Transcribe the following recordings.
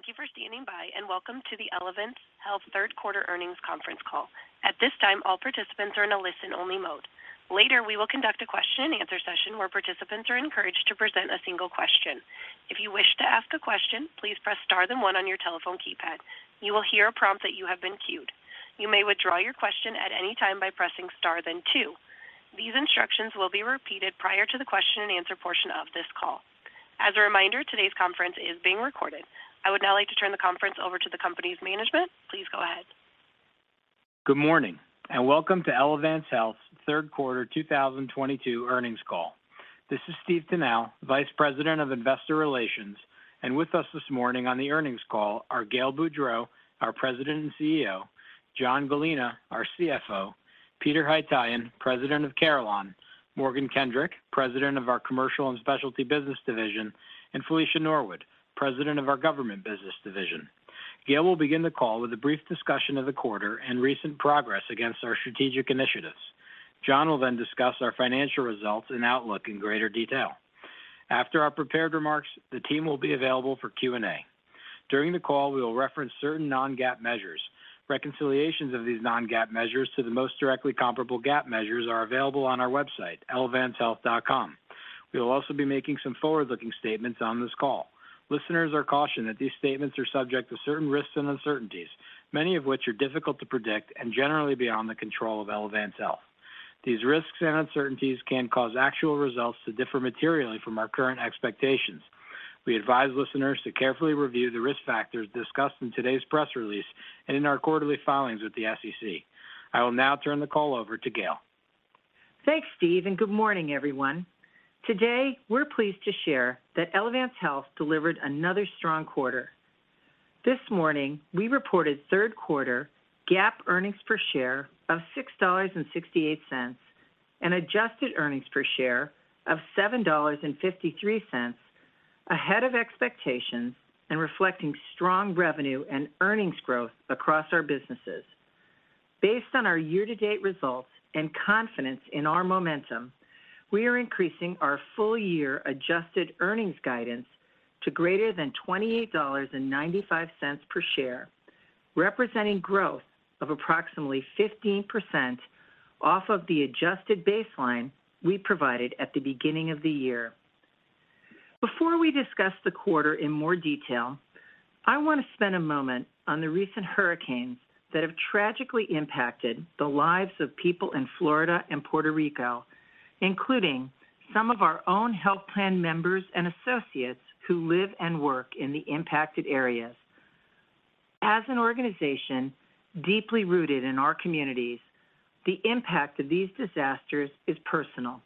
Gentlemen, thank you for standing by, and welcome to the Elevance Health Q3 Earnings Conference Call. At this time, all participants are in a listen-only mode. Later, we will conduct a question and answer session where participants are encouraged to present a single question. If you wish to ask a question, please press star then one on your telephone keypad. You will hear a prompt that you have been queued. You may withdraw your question at any time by pressing star then two. These instructions will be repeated prior to the question and answer portion of this call. As a reminder, today's conference is being recorded. I would now like to turn the conference over to the company's management. Please go ahead. Good morning, and welcome to Elevance Health's Q3 2022 earnings call. This is Stephen Tanal, Vice President of Investor Relations, and with us this morning on the earnings call are Gail Boudreaux, our President and CEO, John Gallina, our CFO, Peter Haytaian, President of Carelon, Morgan Kendrick, President of our Commercial and Specialty Business Division, and Felicia Norwood, President of our Government Business Division. Gail will begin the call with a brief discussion of the quarter and recent progress against our strategic initiatives. John will then discuss our financial results and outlook in greater detail. After our prepared remarks, the team will be available for Q&A. During the call, we will reference certain non-GAAP measures. Reconciliations of these non-GAAP measures to the most directly comparable GAAP measures are available on our website, elevancehealth.com. We will also be making some forward-looking statements on this call. Listeners are cautioned that these statements are subject to certain risks and uncertainties, many of which are difficult to predict and generally beyond the control of Elevance Health. These risks and uncertainties can cause actual results to differ materially from our current expectations. We advise listeners to carefully review the risk factors discussed in today's press release and in our quarterly filings with the SEC. I will now turn the call over to Gail. Thanks, Steve, and good morning, everyone. Today, we're pleased to share that Elevance Health delivered another strong quarter. This morning, we reported Q3 GAAP earnings per share of $6.68 and adjusted earnings per share of $7.53, ahead of expectations and reflecting strong revenue and earnings growth across our businesses. Based on our year-to-date results and confidence in our momentum, we are increasing our full year adjusted earnings guidance to greater than $28.95 per share, representing growth of approximately 15% off of the adjusted baseline we provided at the beginning of the year. Before we discuss the quarter in more detail, I want to spend a moment on the recent hurricanes that have tragically impacted the lives of people in Florida and Puerto Rico, including some of our own health plan members and associates who live and work in the impacted areas. As an organization deeply rooted in our communities, the impact of these disasters is personal.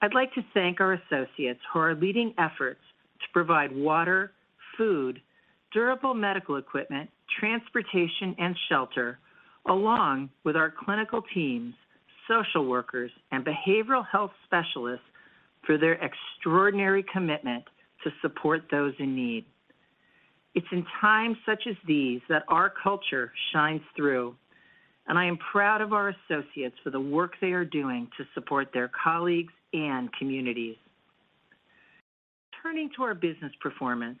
I'd like to thank our associates who are leading efforts to provide water, food, durable medical equipment, transportation, and shelter along with our clinical teams, social workers, and behavioral health specialists for their extraordinary commitment to support those in need. It's in times such as these that our culture shines through, and I am proud of our associates for the work they are doing to support their colleagues and communities. Turning to our business performance,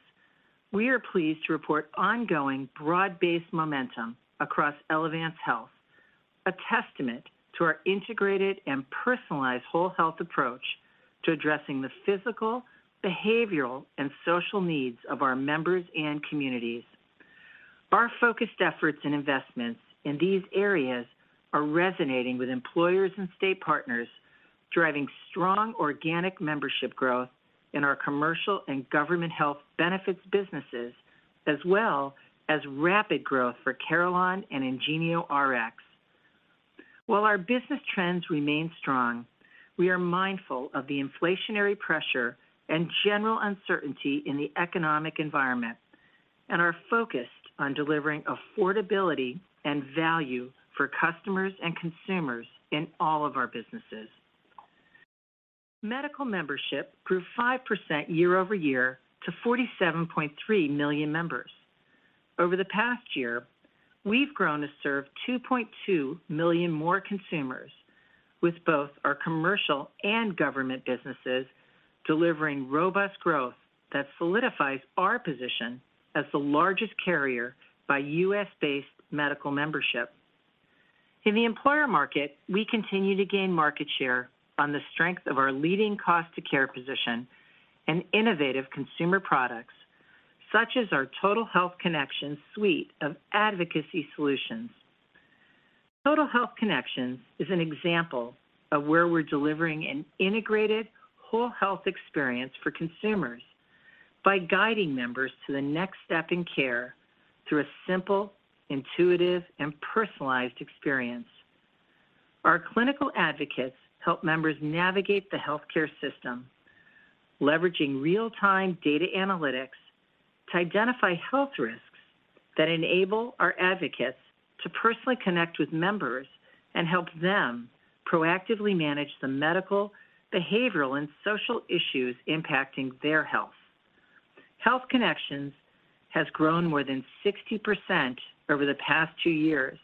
we are pleased to report ongoing broad-based momentum across Elevance Health, a testament to our integrated and personalized whole health approach to addressing the physical, behavioral, and social needs of our members and communities. Our focused efforts and investments in these areas are resonating with employers and state partners, driving strong organic membership growth in our commercial and government health benefits businesses, as well as rapid growth for Carelon and IngenioRx. While our business trends remain strong, we are mindful of the inflationary pressure and general uncertainty in the economic environment and are focused on delivering affordability and value for customers and consumers in all of our businesses. Medical membership grew 5% quarter-over-quarter to 47.3 million members. Over the past year, we've grown to serve 2.2 million more consumers with both our commercial and government businesses, delivering robust growth that solidifies our position as the largest carrier by US-based medical membership. In the employer market, we continue to gain market share on the strength of our leading cost to care position and innovative consumer products, such as our Total Health Connections suite of advocacy solutions. Total Health Connections is an example of where we're delivering an integrated whole health experience for consumers by guiding members to the next step in care through a simple, intuitive, and personalized experience. Our clinical advocates help members navigate the healthcare system, leveraging real-time data analytics to identify health risks that enable our advocates to personally connect with members and help them proactively manage the medical, behavioral, and social issues impacting their health. Health Connections has grown more than 60% over the past two years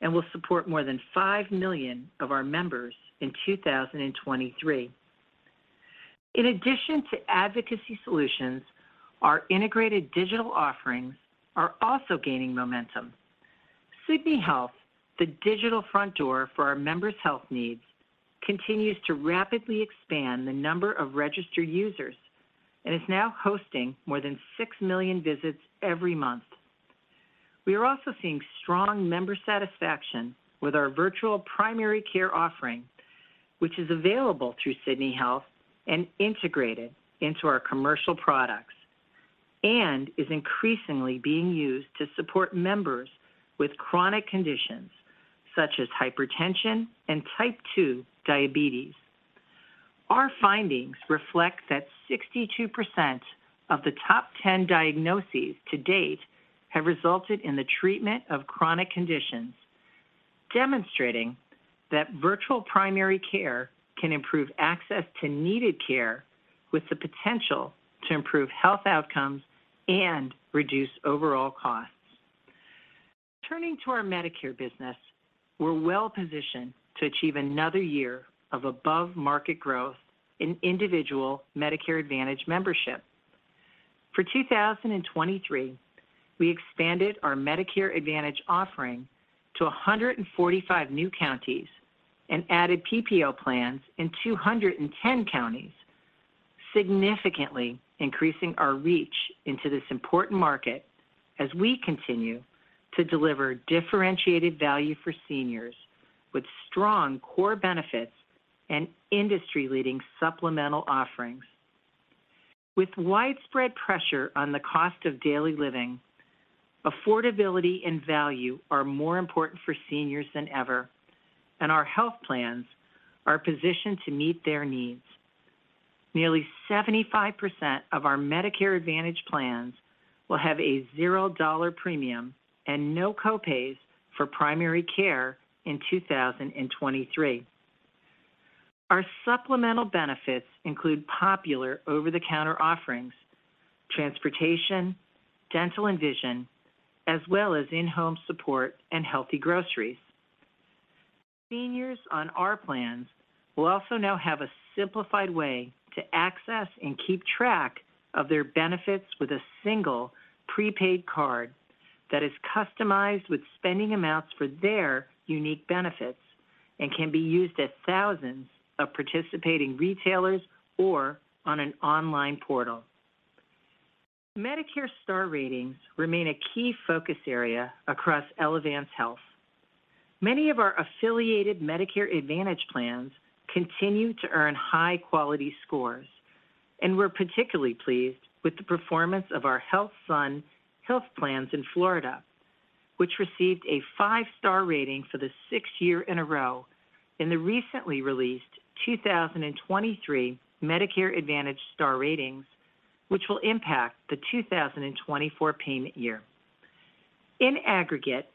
and will support more than 5 million of our members in 2023. In addition to advocacy solutions, our integrated digital offerings are also gaining momentum. Sydney Health, the digital front door for our members' health needs, continues to rapidly expand the number of registered users, and is now hosting more than 6 million visits every month. We are also seeing strong member satisfaction with our virtual primary care offering, which is available through Sydney Health and integrated into our commercial products, and is increasingly being used to support members with chronic conditions such as hypertension and type two diabetes. Our findings reflect that 62% of the top 10 diagnoses to date have resulted in the treatment of chronic conditions, demonstrating that virtual primary care can improve access to needed care with the potential to improve health outcomes and reduce overall costs. Turning to our Medicare business, we're well-positioned to achieve another year of above-market growth in individual Medicare Advantage membership. For 2023, we expanded our Medicare Advantage offering to 145 new counties and added PPO plans in 210 counties, significantly increasing our reach into this important market as we continue to deliver differentiated value for seniors with strong core benefits and industry-leading supplemental offerings. With widespread pressure on the cost of daily living, affordability and value are more important for seniors than ever, and our health plans are positioned to meet their needs. Nearly 75% of our Medicare Advantage plans will have a $0 premium and no co-pays for primary care in 2023. Our supplemental benefits include popular over-the-counter offerings, transportation, dental and vision, as well as in-home support and healthy groceries. Seniors on our plans will also now have a simplified way to access and keep track of their benefits with a single prepaid card that is customized with spending amounts for their unique benefits and can be used at thousands of participating retailers or on an online portal. Medicare star ratings remain a key focus area across Elevance Health. Many of our affiliated Medicare Advantage plans continue to earn high quality scores, and we're particularly pleased with the performance of our HealthSun health plans in Florida, which received a five-star rating for the sixth year in a row in the recently released 2023 Medicare Advantage star ratings, which will impact the 2024 payment year. In aggregate,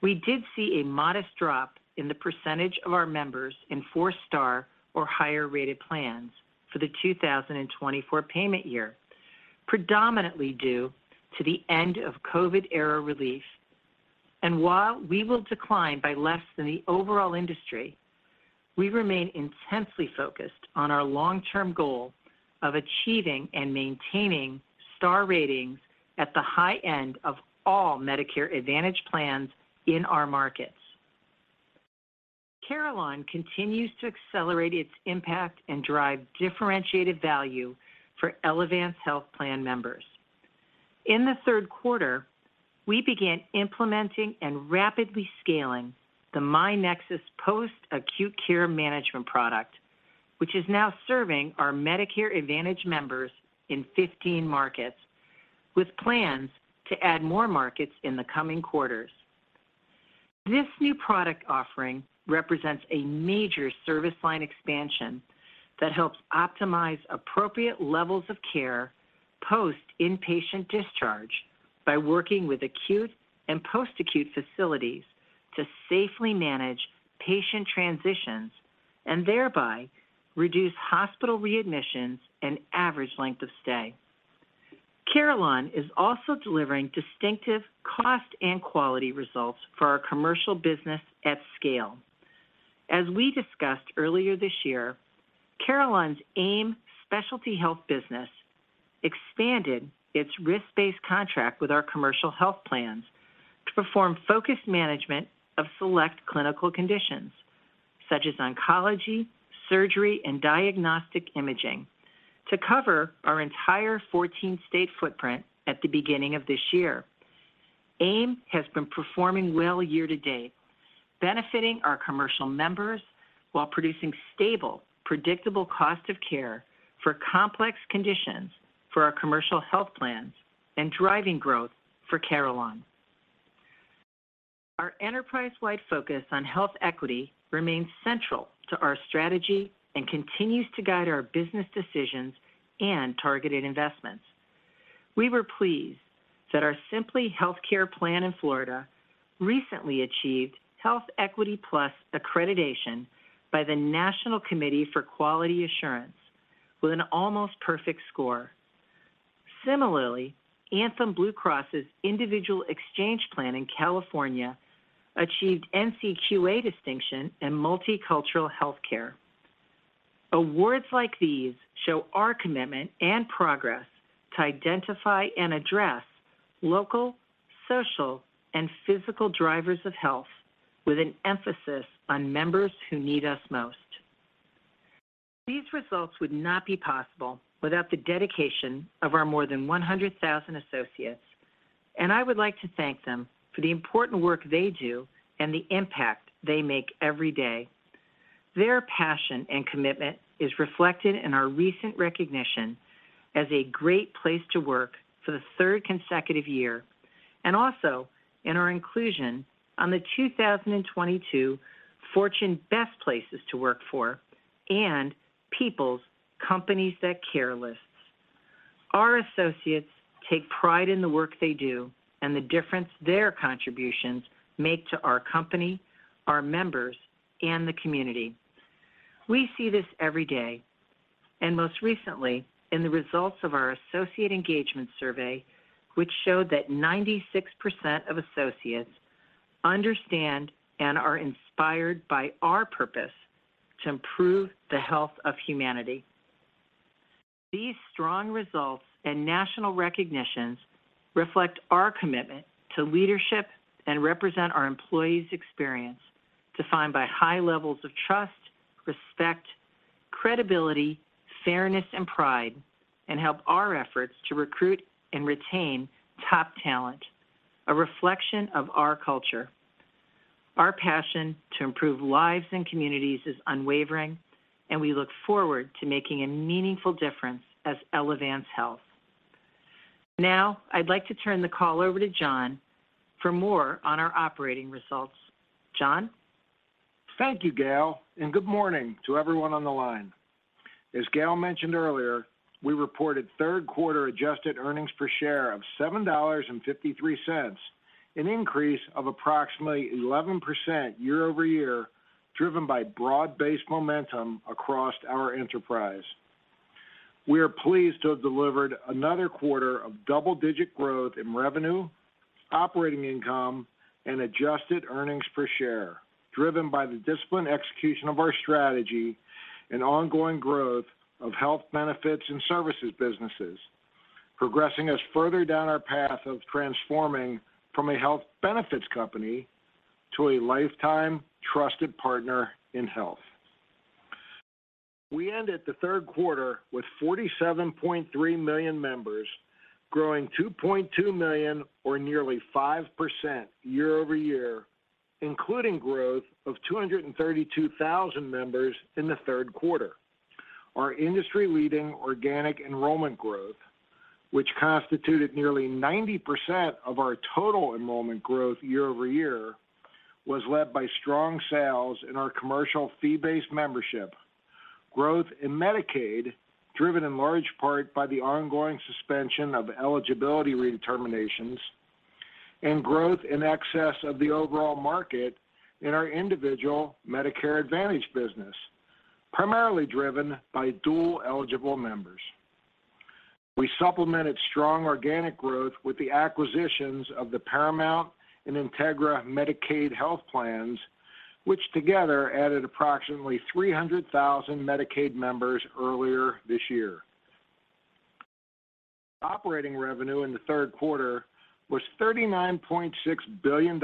we did see a modest drop in the percentage of our members in four-star or higher-rated plans for the 2024 payment year, predominantly due to the end of COVID era relief. While we will decline by less than the overall industry, we remain intensely focused on our long-term goal of achieving and maintaining star ratings at the high end of all Medicare Advantage plans in our markets. Carelon continues to accelerate its impact and drive differentiated value for Elevance Health Plan members. In the Q3, we began implementing and rapidly scaling the myNEXUS post-acute care management product, which is now serving our Medicare Advantage members in 15 markets, with plans to add more markets in the coming quarters. This new product offering represents a major service line expansion that helps optimize appropriate levels of care post-inpatient discharge by working with acute and post-acute facilities to safely manage patient transitions, and thereby reduce hospital readmissions and average length of stay. Carelon is also delivering distinctive cost and quality results for our commercial business at scale. As we discussed earlier this year, Carelon's AIM Specialty Health business expanded its risk-based contract with our commercial health plans to perform focused management of select clinical conditions such as oncology, surgery, and diagnostic imaging to cover our entire 14-state footprint at the beginning of this year. AIM has been performing well year to date, benefiting our commercial members while producing stable, predictable cost of care for complex conditions for our commercial health plans and driving growth for Carelon. Our enterprise-wide focus on health equity remains central to our strategy and continues to guide our business decisions and targeted investments. We were pleased that our Simply Healthcare Plan in Florida recently achieved Health Equity Plus accreditation by the National Committee for Quality Assurance with an almost perfect score. Similarly, Anthem Blue Cross's individual exchange plan in California achieved NCQA distinction in multicultural healthcare. Awards like these show our commitment and progress to identify and address local, social, and physical drivers of health with an emphasis on members who need us most. These results would not be possible without the dedication of our more than 100,000 associates, and I would like to thank them for the important work they do and the impact they make every day. Their passion and commitment is reflected in our recent recognition as a great place to work for the third consecutive year, and also in our inclusion on the 2022 Fortune Best Places to Work For and PEOPLE Companies that Care. Our associates take pride in the work they do and the difference their contributions make to our company, our members, and the community. We see this every day, and most recently in the results of our associate engagement survey, which showed that 96% of associates understand and are inspired by our purpose to improve the health of humanity. These strong results and national recognitions reflect our commitment to leadership and represent our employees' experience defined by high levels of trust, respect, credibility, fairness, and pride, and help our efforts to recruit and retain top talent, a reflection of our culture. Our passion to improve lives and communities is unwavering, and we look forward to making a meaningful difference as Elevance Health. Now, I'd like to turn the call over to John for more on our operating results. John? Thank you, Gail, and good morning to everyone on the line. As Gail mentioned earlier, we reported Q3 adjusted earnings per share of $7.53, an increase of approximately 11% quarter-over-quarter, driven by broad-based momentum across our enterprise. We are pleased to have delivered another quarter of double-digit growth in revenue, operating income, and adjusted earnings per share, driven by the disciplined execution of our strategy and ongoing growth of health benefits and services businesses, progressing us further down our path of transforming from a health benefits company to a lifetime trusted partner in health. We ended the Q3 with 47.3 million members, growing 2.2 million or nearly 5% quarter-over-quarter, including growth of 232,000 members in the Q3. Our industry-leading organic enrollment growth, which constituted nearly 90% of our total enrollment growth quarter-over-quarter, was led by strong sales in our commercial fee-based membership, growth in Medicaid, driven in large part by the ongoing suspension of eligibility redeterminations, and growth in excess of the overall market in our individual Medicare Advantage business, primarily driven by dual-eligible members. We supplemented strong organic growth with the acquisitions of the Paramount and Integra Medicaid health plans, which together added approximately 300,000 Medicaid members earlier this year. Operating revenue in the Q3 was $39.6 billion,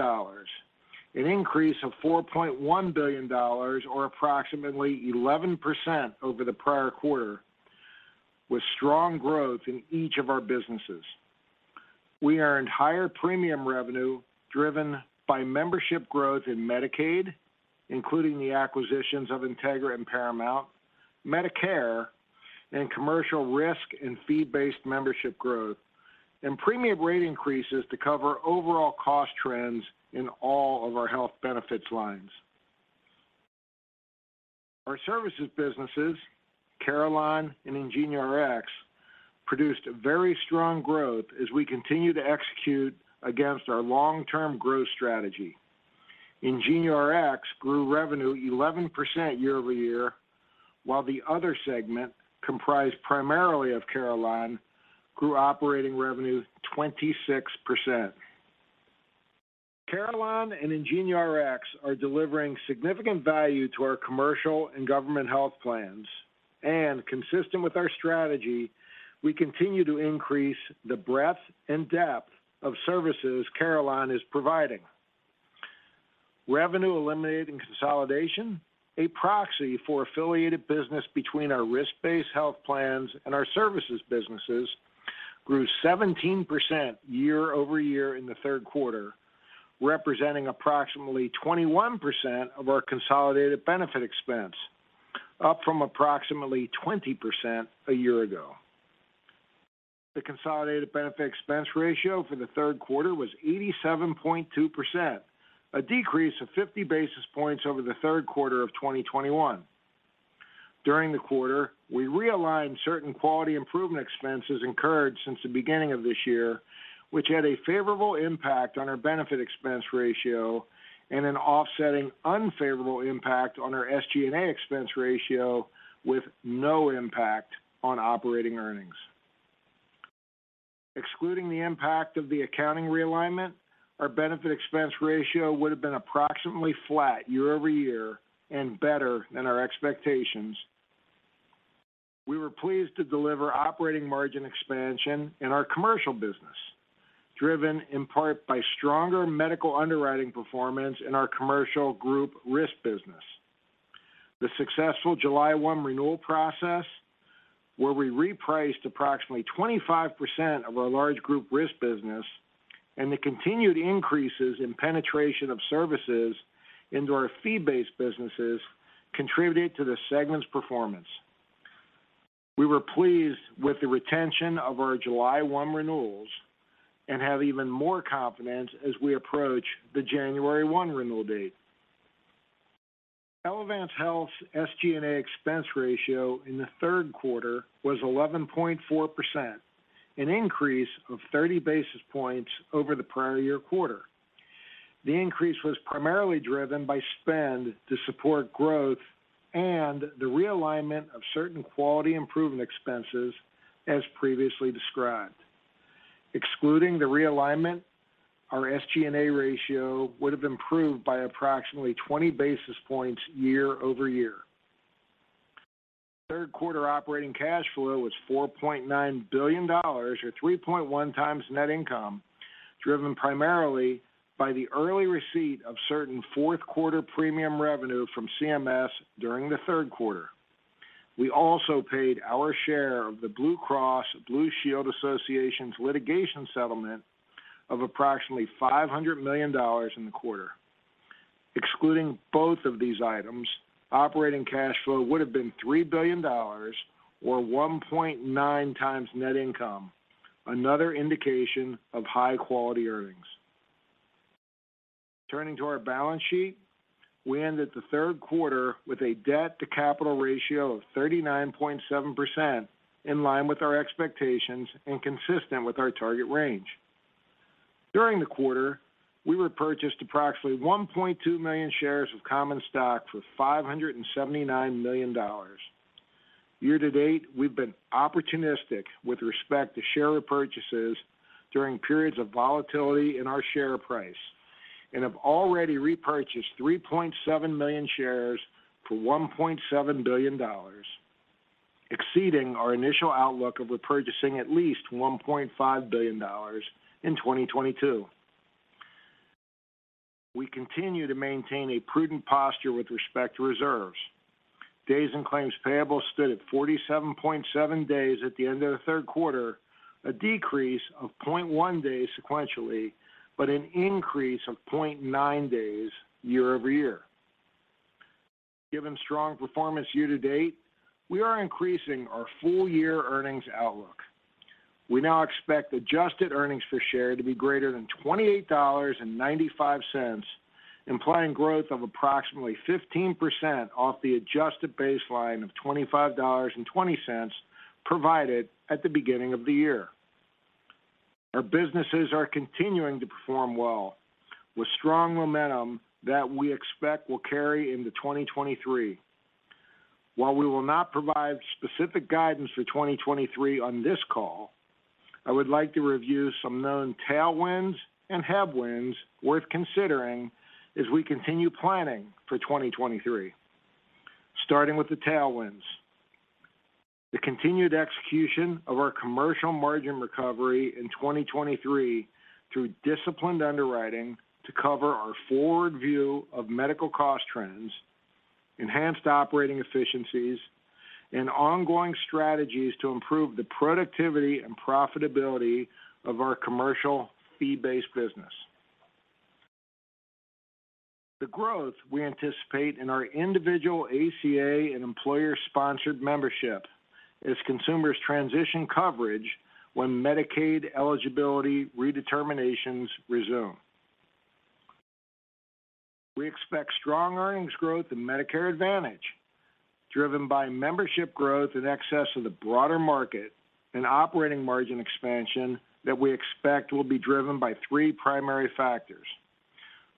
an increase of $4.1 billion or approximately 11% over the prior quarter with strong growth in each of our businesses. We earned higher premium revenue driven by membership growth in Medicaid, including the acquisitions of Integra and Paramount, Medicare, and commercial risk and fee-based membership growth, and premium rate increases to cover overall cost trends in all of our health benefits lines. Our services businesses, Carelon and IngenioRx, produced a very strong growth as we continue to execute against our long-term growth strategy. IngenioRx grew revenue 11% quarter-over-quarter, while the other segment, comprised primarily of Carelon, grew operating revenue 26%. Carelon and IngenioRx are delivering significant value to our commercial and government health plans and consistent with our strategy, we continue to increase the breadth and depth of services Carelon is providing. Revenue elimination consolidation, a proxy for affiliated business between our risk-based health plans and our services businesses, grew 17% quarter-over-quarter in the Q3, representing approximately 21% of our consolidated benefit expense, up from approximately 20% a year ago. The consolidated benefit expense ratio for the Q3 was 87.2%, a decrease of 50 basis points over the Q3 of 2021. During the quarter, we realigned certain quality improvement expenses incurred since the beginning of this year, which had a favorable impact on our benefit expense ratio and an offsetting unfavorable impact on our SG&A expense ratio with no impact on operating earnings. Excluding the impact of the accounting realignment, our benefit expense ratio would have been approximately flat quarter-over-quarter and better than our expectations. We were pleased to deliver operating margin expansion in our commercial business, driven in part by stronger medical underwriting performance in our commercial group risk business. The successful July 1 renewal process, where we repriced approximately 25% of our large group risk business and the continued increases in penetration of services into our fee-based businesses contributed to the segment's performance. We were pleased with the retention of our July 1 renewals and have even more confidence as we approach the January 1 renewal date. Elevance Health's SG&A expense ratio in the Q3 was 11.4%, an increase of 30 basis points over the prior year quarter. The increase was primarily driven by spend to support growth and the realignment of certain quality improvement expenses, as previously described. Excluding the realignment, our SG&A ratio would have improved by approximately 20 basis points quarter-over-quarter. Q3 operating cash flow was $4.9 billion or 3.1 times net income, driven primarily by the early receipt of certain fourth quarter premium revenue from CMS during the Q3. We also paid our share of the Blue Cross Blue Shield Association's litigation settlement of approximately $500 million in the quarter. Excluding both of these items, operating cash flow would have been $3 billion or 1.9 times net income, another indication of high quality earnings. Turning to our balance sheet, we ended the Q3 with a debt to capital ratio of 39.7% in line with our expectations and consistent with our target range. During the quarter, we repurchased approximately 1.2 million shares of common stock for $579 million. Year to date, we've been opportunistic with respect to share repurchases during periods of volatility in our share price and have already repurchased 3.7 million shares for $1.7 billion, exceeding our initial outlook of repurchasing at least $1.5 billion in 2022. We continue to maintain a prudent posture with respect to reserves. Days in claims payable stood at 47.7 days at the end of the Q3, a decrease of 0.1 days sequentially, but an increase of 0.9 days year over year. Given strong performance year to date, we are increasing our full year earnings outlook. We now expect adjusted earnings per share to be greater than $28.95, implying growth of approximately 15% off the adjusted baseline of $25.20 provided at the beginning of the year. Our businesses are continuing to perform well with strong momentum that we expect will carry into 2023. While we will not provide specific guidance for 2023 on this call, I would like to review some known tailwinds and headwinds worth considering as we continue planning for 2023. Starting with the tailwinds. The continued execution of our commercial margin recovery in 2023 through disciplined underwriting to cover our forward view of medical cost trends, enhanced operating efficiencies, and ongoing strategies to improve the productivity and profitability of our commercial fee-based business. The growth we anticipate in our individual ACA and employer-sponsored membership as consumers transition coverage when Medicaid eligibility redeterminations resume. We expect strong earnings growth in Medicare Advantage, driven by membership growth in excess of the broader market and operating margin expansion that we expect will be driven by three primary factors.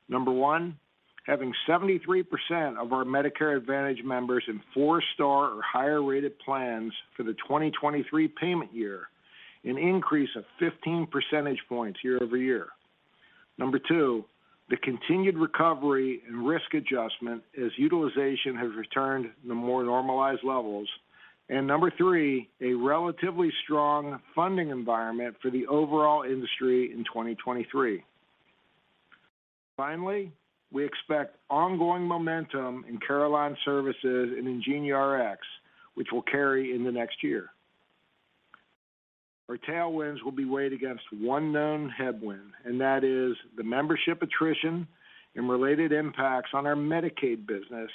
Number one, having 73% of our Medicare Advantage members in four-star or higher rated plans for the 2023 payment year, an increase of 15 percentage points quarter-over-quarter. Number two, the continued recovery in risk adjustment as utilization has returned to more normalized levels. Number three, a relatively strong funding environment for the overall industry in 2023. Finally, we expect ongoing momentum in Carelon services and in IngenioRx, which will carry in the next year. Our tailwinds will be weighed against one known headwind, and that is the membership attrition and related impacts on our Medicaid business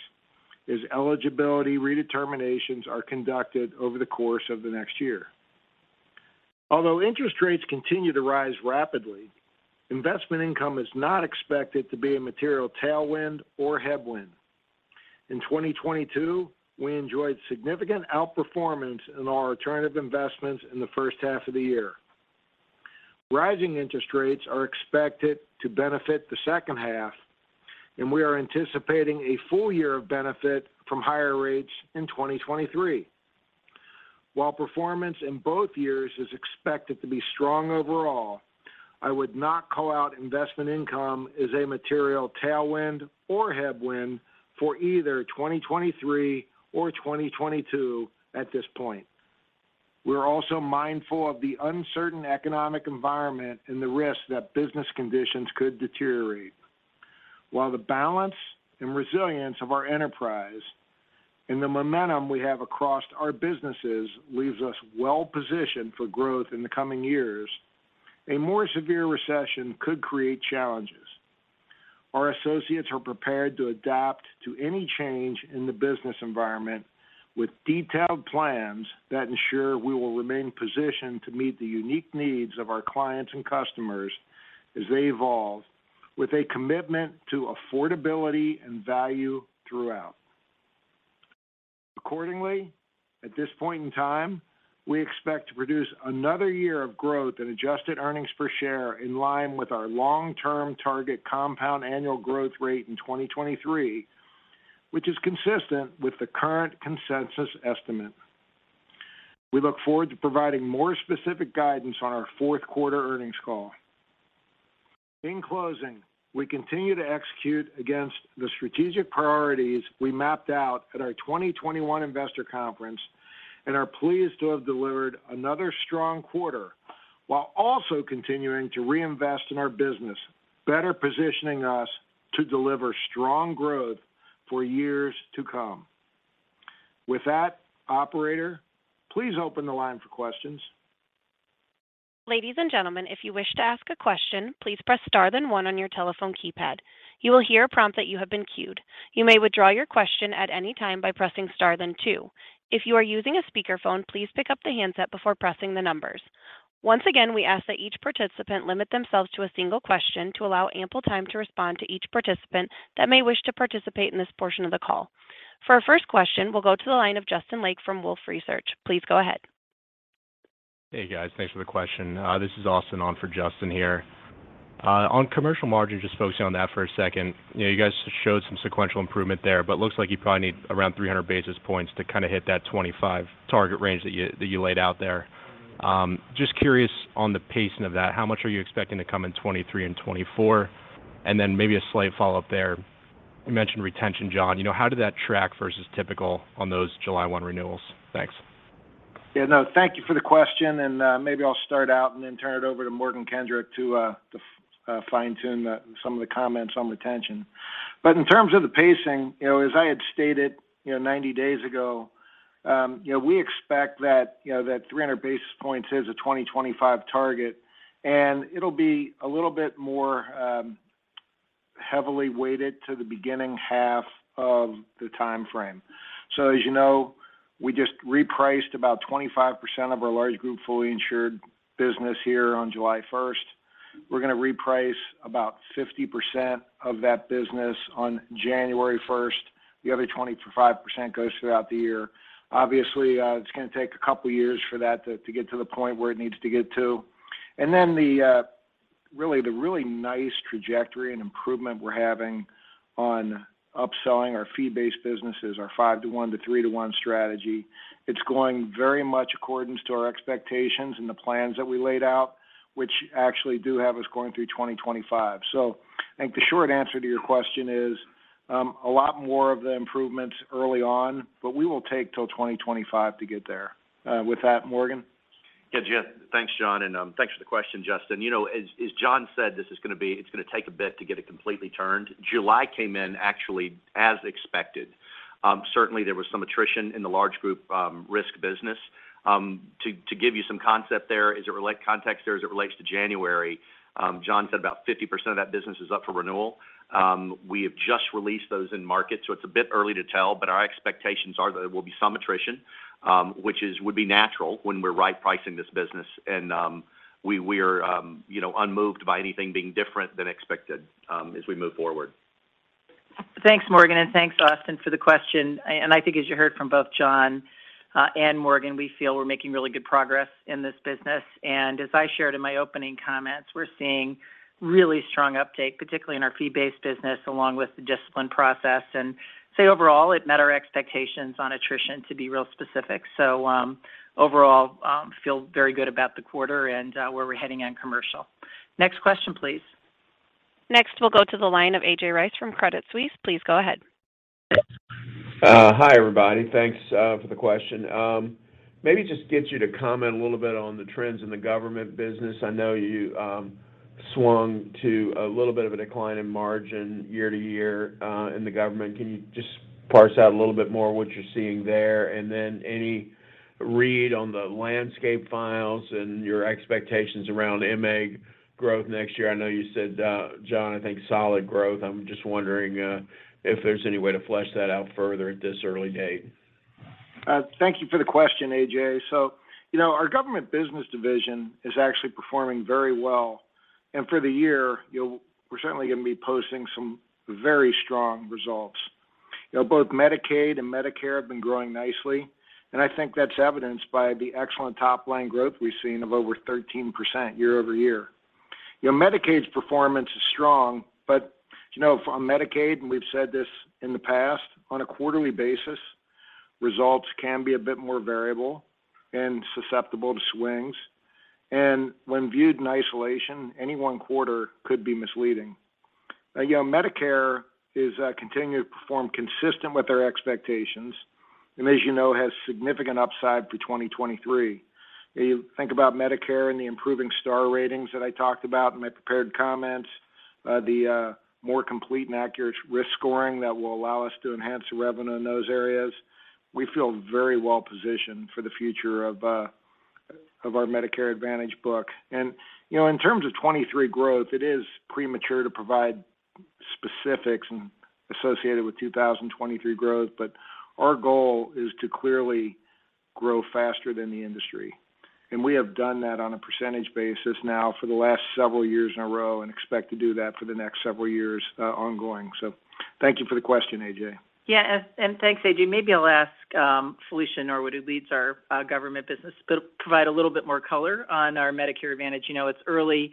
as eligibility redeterminations are conducted over the course of the next year. Although interest rates continue to rise rapidly, investment income is not expected to be a material tailwind or headwind. In 2022, we enjoyed significant outperformance in our alternative investments in the H1 of the year. Rising interest rates are expected to benefit the H2. We are anticipating a full year of benefit from higher rates in 2023. While performance in both years is expected to be strong overall, I would not call out investment income as a material tailwind or headwind for either 2023 or 2022 at this point. We're also mindful of the uncertain economic environment and the risk that business conditions could deteriorate. While the balance and resilience of our enterprise and the momentum we have across our businesses leaves us well-positioned for growth in the coming years, a more severe recession could create challenges. Our associates are prepared to adapt to any change in the business environment with detailed plans that ensure we will remain positioned to meet the unique needs of our clients and customers as they evolve, with a commitment to affordability and value throughout. Accordingly, at this point in time, we expect to produce another year of growth in adjusted earnings per share in line with our long-term target compound annual growth rate in 2023, which is consistent with the current consensus estimate. We look forward to providing more specific guidance on our fourth quarter earnings call. In closing, we continue to execute against the strategic priorities we mapped out at our 2021 investor conference and are pleased to have delivered another strong quarter while also continuing to reinvest in our business, better positioning us to deliver strong growth for years to come. With that, operator, please open the line for questions. Ladies and gentlemen, if you wish to ask a question, please press star, then one on your telephone keypad. You will hear a prompt that you have been queued. You may withdraw your question at any time by pressing star, then two. If you are using a speakerphone, please pick up the handset before pressing the numbers. Once again, we ask that each participant limit themselves to a single question to allow ample time to respond to each participant that may wish to participate in this portion of the call. For our first question, we'll go to the line of Justin Lake from Wolfe Research. Please go ahead. Hey, guys. Thanks for the question. This is Andrew Mok on for Justin Lake here. On commercial margins, just focusing on that for a second. You know, you guys showed some sequential improvement there, but looks like you probably need around 300 basis points to kind of hit that 25 target range that you laid out there. Just curious on the pacing of that. How much are you expecting to come in 2023 and 2024? Maybe a slight follow-up there. You mentioned retention, John Gallina. You know, how did that track versus typical on those July 1 renewals? Thanks. Yeah, no, thank you for the question, and maybe I'll start out and then turn it over to Morgan Kendrick to fine-tune some of the comments on retention. In terms of the pacing, you know, as I had stated, you know, 90 days ago, you know, we expect that, you know, that 300 basis points is a 2025 target, and it'll be a little bit more heavily weighted to the beginning half of the timeframe. As you know, we just repriced about 25% of our large group fully insured business here on July 1. We're gonna reprice about 50% of that business on January 1. The other 25% goes throughout the year. Obviously, it's gonna take a couple years for that to get to the point where it needs to get to. The really nice trajectory and improvement we're having on upselling our fee-based businesses, our 5-1 to 3-1 strategy. It's going very much in accordance to our expectations and the plans that we laid out, which actually do have us going through 2025. I think the short answer to your question is, a lot more of the improvements early on, but we will take till 2025 to get there. With that, Morgan. Yeah, yeah. Thanks, John, and thanks for the question, Justin. You know, as John said, this is gonna be—it's gonna take a bit to get it completely turned. July came in actually as expected. Certainly, there was some attrition in the large group risk business. To give you some context there as it relates to January, John said about 50% of that business is up for renewal. We have just released those in market, so it's a bit early to tell, but our expectations are that there will be some attrition, which would be natural when we're right pricing this business. We're you know, unmoved by anything being different than expected, as we move forward. Thanks, Morgan, and thanks, Andrew, for the question. I think as you heard from both John and Morgan, we feel we're making really good progress in this business. As I shared in my opening comments, we're seeing really strong uptake, particularly in our fee-based business, along with the discipline process. I'd say overall, it met our expectations on attrition to be real specific. Overall, feel very good about the quarter and where we're heading on commercial. Next question, please. Next, we'll go to the line of A.J. Rice from Credit Suisse. Please go ahead. Hi, everybody. Thanks for the question. Maybe just get you to comment a little bit on the trends in the government business. I know you swung to a little bit of a decline in margin year to year in the government. Can you just parse out a little bit more what you're seeing there? Any read on the landscape files and your expectations around MA growth next year? I know you said, John, I think solid growth. I'm just wondering if there's any way to flesh that out further at this early date. Thank you for the question, A.J. You know, our Government Business Division is actually performing very well. For the year, we're certainly gonna be posting some very strong results. You know, both Medicaid and Medicare have been growing nicely, and I think that's evidenced by the excellent top-line growth we've seen of over 13% quarter-over-quarter. You know, Medicaid's performance is strong, but you know, from Medicaid, and we've said this in the past, on a quarterly basis, results can be a bit more variable and susceptible to swings. When viewed in isolation, any one quarter could be misleading. You know, Medicare is continuing to perform consistent with our expectations, and as you know, has significant upside for 2023. You think about Medicare and the improving star ratings that I talked about in my prepared comments, the more complete and accurate risk scoring that will allow us to enhance the revenue in those areas. We feel very well positioned for the future of our Medicare Advantage book. You know, in terms of 2023 growth, it is premature to provide specifics associated with 2023 growth, but our goal is to clearly grow faster than the industry. We have done that on a percentage basis now for the last several years in a row and expect to do that for the next several years, ongoing. Thank you for the question, AJ. Yeah. Thanks, A.J. Maybe I'll ask Felicia Norwood, who leads our government business, to provide a little bit more color on our Medicare Advantage. You know, it's early.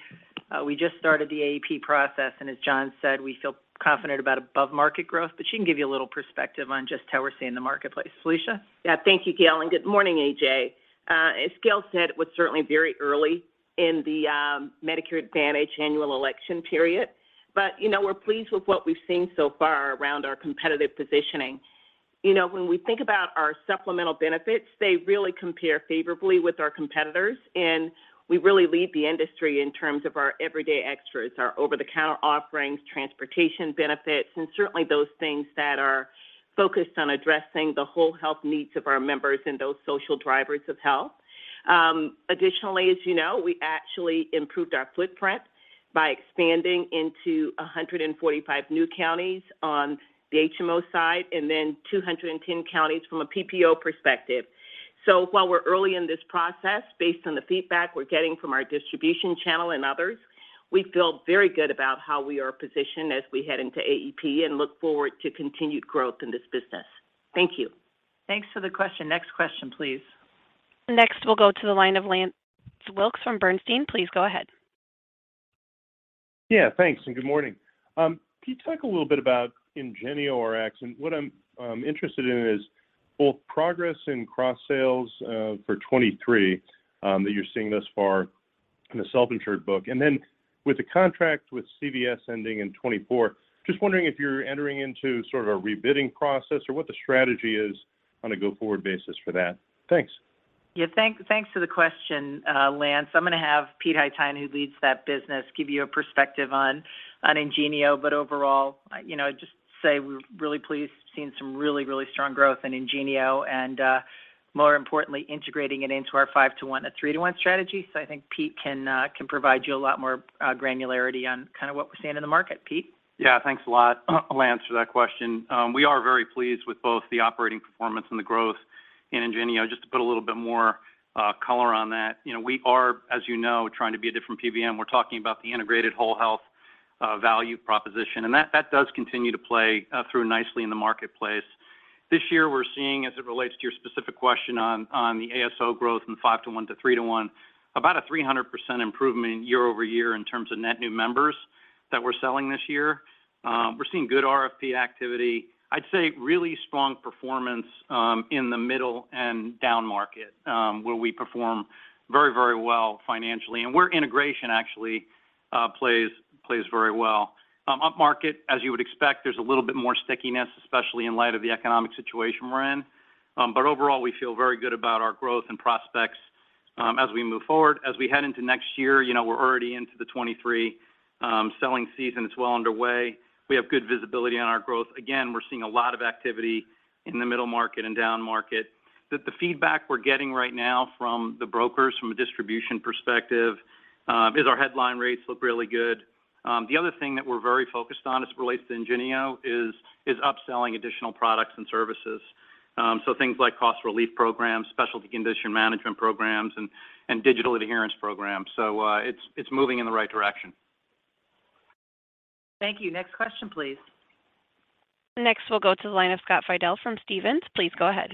We just started the AEP process, and as John said, we feel confident about above-market growth. She can give you a little perspective on just how we're seeing the marketplace. Felicia? Yeah. Thank you, Gail, and good morning, A.J. As Gail said, it was certainly very early in the Medicare Advantage annual election period. You know, we're pleased with what we've seen so far around our competitive positioning. You know, when we think about our supplemental benefits, they really compare favorably with our competitors, and we really lead the industry in terms of our everyday extras, our over-the-counter offerings, transportation benefits, and certainly those things that are focused on addressing the whole health needs of our members and those social drivers of health. Additionally, as you know, we actually improved our footprint by expanding into 145 new counties on the HMO side and then 210 counties from a PPO perspective. While we're early in this process, based on the feedback we're getting from our distribution channel and others, we feel very good about how we are positioned as we head into AEP and look forward to continued growth in this business. Thank you. Thanks for the question. Next question, please. Next, we'll go to the line of Lance Wilkes from Bernstein. Please go ahead. Yeah, thanks, and good morning. Can you talk a little bit about IngenioRx? What I'm interested in is both progress in cross sales for 2023 that you're seeing thus far in the self-insured book. Then with the contract with CVS ending in 2024, just wondering if you're entering into sort of a rebidding process or what the strategy is on a go-forward basis for that. Thanks. Yeah, thanks for the question, Lance. I'm gonna have Peter Haytaian, who leads that business, give you a perspective on IngenioRx. But overall, just to say we're really pleased, seeing some really strong growth in IngenioRx and, more importantly, integrating it into our 5-1 and 3-1 strategy. I think Pete can provide you a lot more granularity on kinda what we're seeing in the market. Pete? Yeah, thanks a lot, Lance, for that question. We are very pleased with both the operating performance and the growth in IngenioRx. Just to put a little bit more color on that, you know, we are, as you know, trying to be a different PBM. We're talking about the integrated whole health value proposition, and that does continue to play through nicely in the marketplace. This year, we're seeing, as it relates to your specific question on the ASO growth from 5-1 to 3-1, about a 300% improvement quarter-over-quarter in terms of net new members that we're selling this year. We're seeing good RFP activity. I'd say really strong performance in the middle and down market, where we perform very, very well financially and where integration actually plays very well. Up market, as you would expect, there's a little bit more stickiness, especially in light of the economic situation we're in. Overall, we feel very good about our growth and prospects, as we move forward. As we head into next year, you know, we're already into the 2023 selling season. It's well underway. We have good visibility on our growth. Again, we're seeing a lot of activity in the middle market and down market. The feedback we're getting right now from the brokers from a distribution perspective is our headline rates look really good. The other thing that we're very focused on as it relates to IngenioRx is upselling additional products and services. Things like cost relief programs, specialty condition management programs, and digital adherence programs. It's moving in the right direction. Thank you. Next question, please. Next, we'll go to the line of Scott Fidel from Stephens. Please go ahead.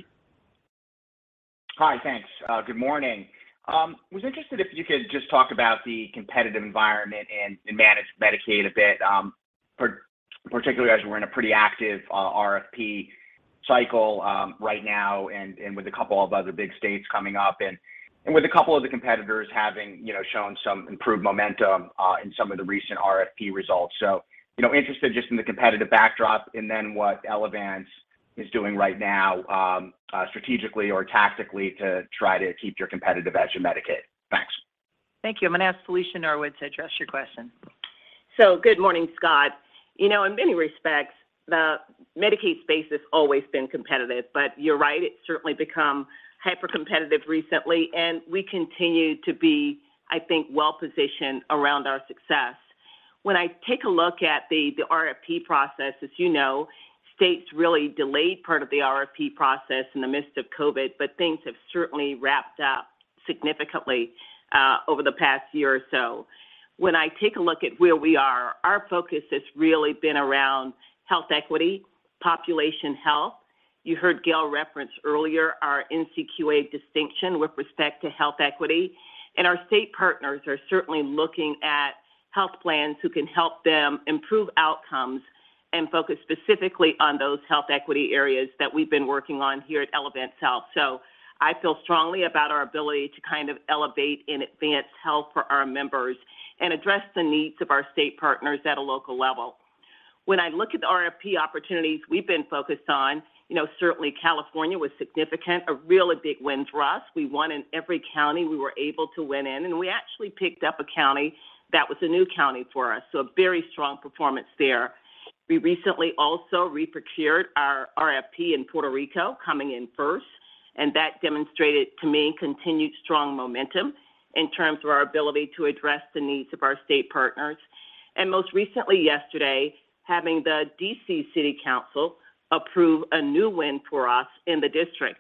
Hi. Thanks. Good morning. Was interested if you could just talk about the competitive environment in managed Medicaid a bit, particularly as we're in a pretty active RFP cycle right now and with a couple of other big states coming up and with a couple of the competitors having, you know, shown some improved momentum in some of the recent RFP results. You know, interested just in the competitive backdrop and then what Elevance is doing right now, strategically or tactically to try to keep your competitive edge in Medicaid. Thanks. Thank you. I'm gonna ask Felicia Norwood to address your question. Good morning, Scott. You know, in many respects, the Medicaid space has always been competitive, but you're right, it's certainly become hyper-competitive recently, and we continue to be, I think, well positioned around our success. When I take a look at the RFP process, as you know, states really delayed part of the RFP process in the midst of COVID, but things have certainly wrapped up significantly over the past year or so. When I take a look at where we are, our focus has really been around health equity, population health. You heard Gail reference earlier our NCQA distinction with respect to health equity. Our state partners are certainly looking at health plans who can help them improve outcomes and focus specifically on those health equity areas that we've been working on here at Elevance Health. I feel strongly about our ability to kind of elevate and advance health for our members and address the needs of our state partners at a local level. When I look at the RFP opportunities we've been focused on, you know, certainly California was significant, a really big win for us. We won in every county we were able to win in, and we actually picked up a county that was a new county for us. A very strong performance there. We recently also reprocured our RFP in Puerto Rico, coming in first, and that demonstrated to me continued strong momentum in terms of our ability to address the needs of our state partners. Most recently yesterday, having the D.C. City Council approve a new win for us in the district.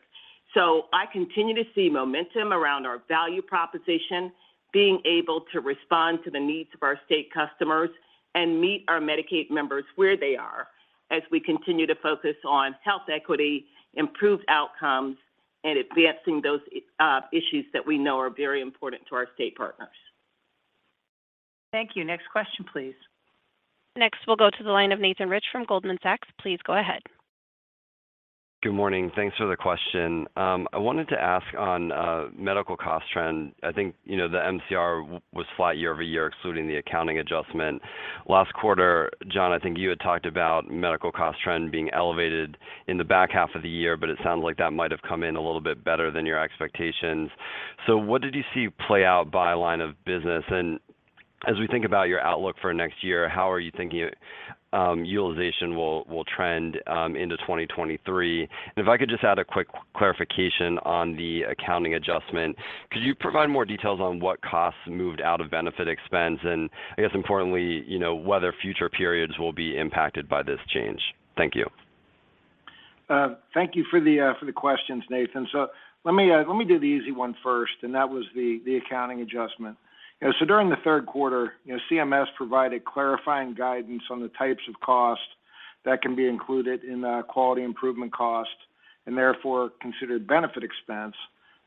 I continue to see momentum around our value proposition being able to respond to the needs of our state customers and meet our Medicaid members where they are as we continue to focus on health equity, improved outcomes, and advancing those issues that we know are very important to our state partners. Thank you. Next question, please. Next, we'll go to the line of Nathan Rich from Goldman Sachs. Please go ahead. Good morning. Thanks for the question. I wanted to ask on, medical cost trend. I think, you know, the MCR was flat quarter-over-quarter, excluding the accounting adjustment. Last quarter, John, I think you had talked about medical cost trend being elevated in the back half of the year, but it sounded like that might have come in a little bit better than your expectations. What did you see play out by line of business? As we think about your outlook for next year, how are you thinking, utilization will trend, into 2023? If I could just add a quick clarification on the accounting adjustment. Could you provide more details on what costs moved out of benefit expense? I guess importantly, you know, whether future periods will be impacted by this change. Thank you. Thank you for the questions, Nathan. Let me do the easy one first, and that was the accounting adjustment. You know, during the Q3, you know, CMS provided clarifying guidance on the types of costs that can be included in the quality improvement cost, and therefore considered benefit expense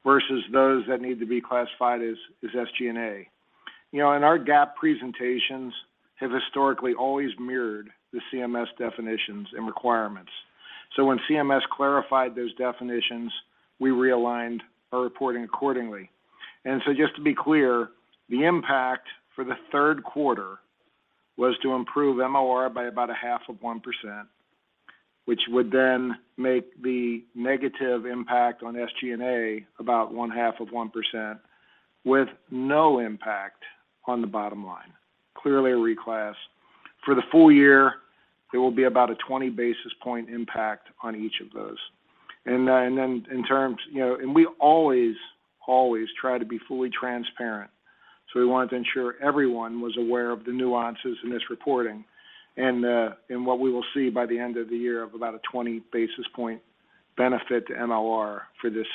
versus those that need to be classified as SG&A. You know, our GAAP presentations have historically always mirrored the CMS definitions and requirements. When CMS clarified those definitions, we realigned our reporting accordingly. Just to be clear, the impact for the Q3 was to improve MCR by about a half of one percent, which would then make the negative impact on SG&A about one half of one percent with no impact on the bottom line. Clearly a reclass. For the full year, there will be about a 20 basis point impact on each of those. We always try to be fully transparent. We wanted to ensure everyone was aware of the nuances in this reporting and what we will see by the end of the year of about a 20 basis point benefit to MLR for this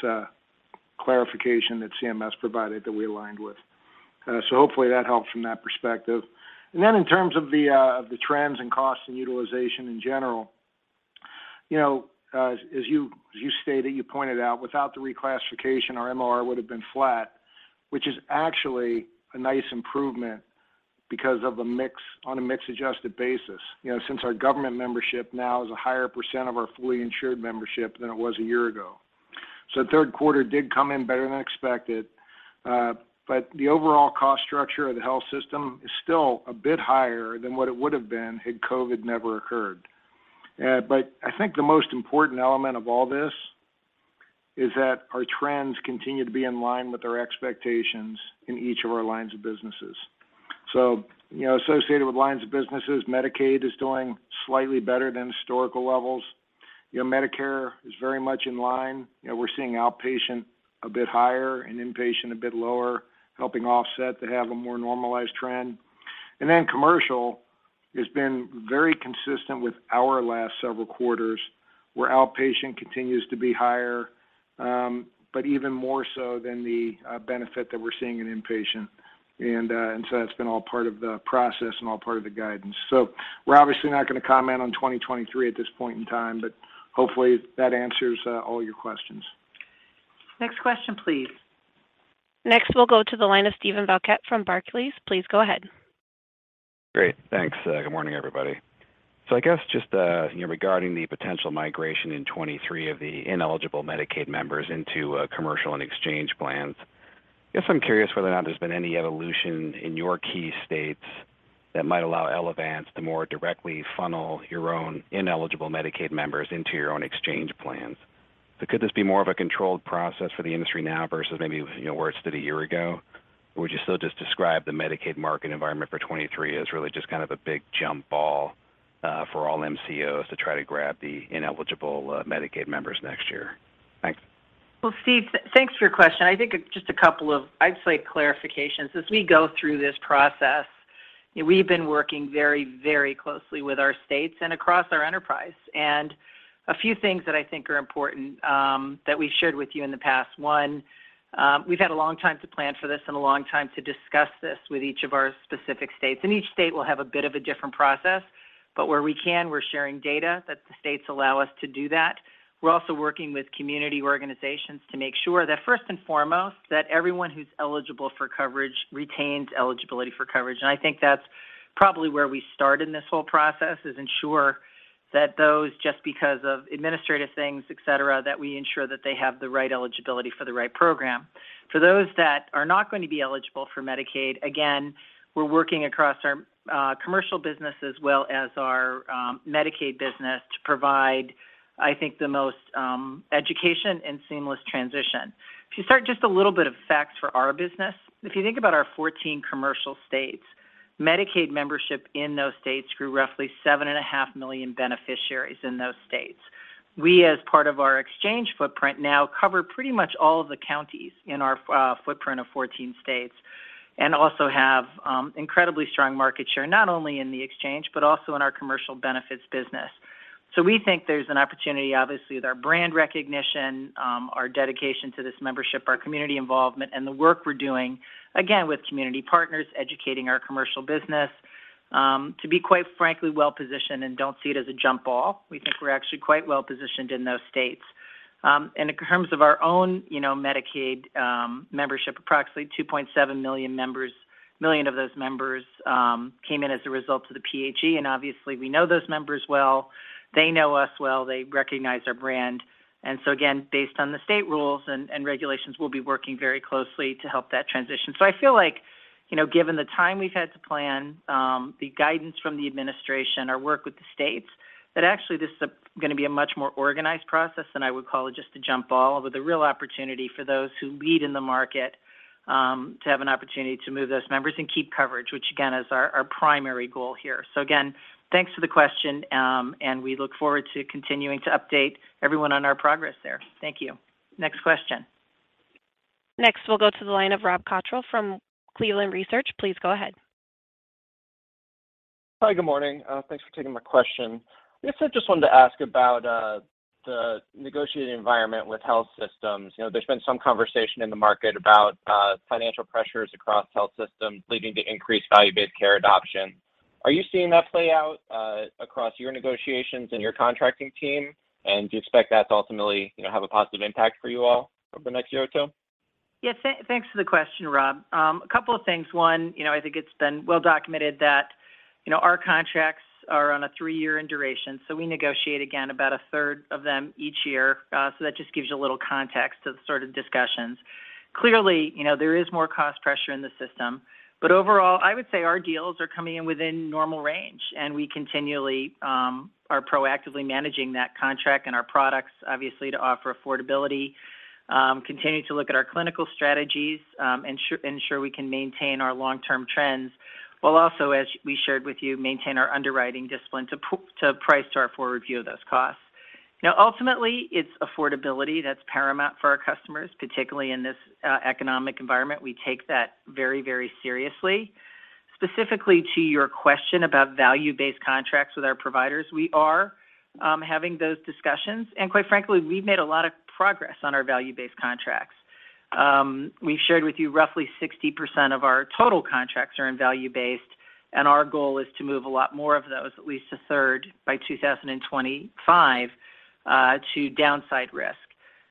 clarification that CMS provided that we aligned with. Hopefully that helped from that perspective. In terms of the trends and costs and utilization in general, you know, as you stated, you pointed out, without the reclassification, our MLR would have been flat, which is actually a nice improvement because of the mix on a mix-adjusted basis, you know, since our government membership now is a higher percent of our fully insured membership than it was a year ago. Q3 did come in better than expected, but the overall cost structure of the health system is still a bit higher than what it would have been had COVID never occurred. I think the most important element of all this is that our trends continue to be in line with our expectations in each of our lines of businesses. You know, associated with lines of businesses, Medicaid is doing slightly better than historical levels. You know, Medicare is very much in line. You know, we're seeing outpatient a bit higher and inpatient a bit lower, helping offset to have a more normalized trend. Commercial has been very consistent with our last several quarters, where outpatient continues to be higher, but even more so than the benefit that we're seeing in inpatient. That's been all part of the process and all part of the guidance. We're obviously not going to comment on 2023 at this point in time, but hopefully that answers all your questions. Next question, please. Next, we'll go to the line of Stephen Baxter from Barclays. Please go ahead. Great. Thanks. Good morning, everybody. I guess just, you know, regarding the potential migration in 2023 of the ineligible Medicaid members into commercial and exchange plans, I guess I'm curious whether or not there's been any evolution in your key states that might allow Elevance to more directly funnel your own ineligible Medicaid members into your own exchange plans. Could this be more of a controlled process for the industry now versus maybe, you know, where it stood a year ago? Would you still just describe the Medicaid market environment for 2023 as really just kind of a big jump ball for all MCOs to try to grab the ineligible Medicaid members next year? Thanks. Well, Steve, thanks for your question. I think just a couple of, I'd say, clarifications. As we go through this process. We've been working very, very closely with our states and across our enterprise. A few things that I think are important, that we shared with you in the past. One, we've had a long time to plan for this and a long time to discuss this with each of our specific states. Each state will have a bit of a different process, but where we can, we're sharing data that the states allow us to do that. We're also working with community organizations to make sure that first and foremost, that everyone who's eligible for coverage retains eligibility for coverage. I think that's probably where we start in this whole process, to ensure that those just because of administrative things, et cetera, have the right eligibility for the right program. For those that are not going to be eligible for Medicaid, again, we're working across our commercial business as well as our Medicaid business to provide, I think, the most education and seamless transition. If you think about our 14 commercial states, Medicaid membership in those states grew roughly 7.5 million beneficiaries in those states. We, as part of our exchange footprint, now cover pretty much all of the counties in our footprint of 14 states and also have incredibly strong market share, not only in the exchange, but also in our commercial benefits business. We think there's an opportunity, obviously, with our brand recognition, our dedication to this membership, our community involvement, and the work we're doing, again, with community partners, educating our commercial business, to be quite frankly well-positioned and don't see it as a jump ball. We think we're actually quite well-positioned in those states. In terms of our own, you know, Medicaid membership, approximately 2.7 million members, one million of those members came in as a result of the PHE. Obviously we know those members well. They know us well. They recognize our brand. Again, based on the state rules and regulations, we'll be working very closely to help that transition. I feel like, you know, given the time we've had to plan, the guidance from the administration, our work with the states, that actually this is going to be a much more organized process than I would call it just a jump ball, with a real opportunity for those who lead in the market, to have an opportunity to move those members and keep coverage, which again, is our primary goal here. Again, thanks for the question, and we look forward to continuing to update everyone on our progress there. Thank you. Next question. Next, we'll go to the line of Rob Cottrell from Cleveland Research. Please go ahead. Hi, good morning. Thanks for taking my question. I guess I just wanted to ask about, the negotiating environment with health systems. You know, there's been some conversation in the market about, financial pressures across health systems leading to increased value-based care adoption. Are you seeing that play out, across your negotiations and your contracting team? Do you expect that to ultimately, you know, have a positive impact for you all over the next year or two? Yes. Thanks for the question, Rob. A couple of things. One, you know, I think it's been well documented that, you know, our contracts are on a three-year in duration, so we negotiate again about a third of them each year. So that just gives you a little context to the sort of discussions. Clearly, you know, there is more cost pressure in the system, but overall, I would say our deals are coming in within normal range, and we continually are proactively managing that contract and our products, obviously, to offer affordability, continue to look at our clinical strategies, ensure we can maintain our long-term trends, while also, as we shared with you, maintain our underwriting discipline to price to our forward view of those costs. Now, ultimately, it's affordability that's paramount for our customers, particularly in this economic environment. We take that very, very seriously. Specifically to your question about value-based contracts with our providers, we are having those discussions, and quite frankly, we've made a lot of progress on our value-based contracts. We've shared with you roughly 60% of our total contracts are in value based, and our goal is to move a lot more of those, at least a third by 2025, to downside risk.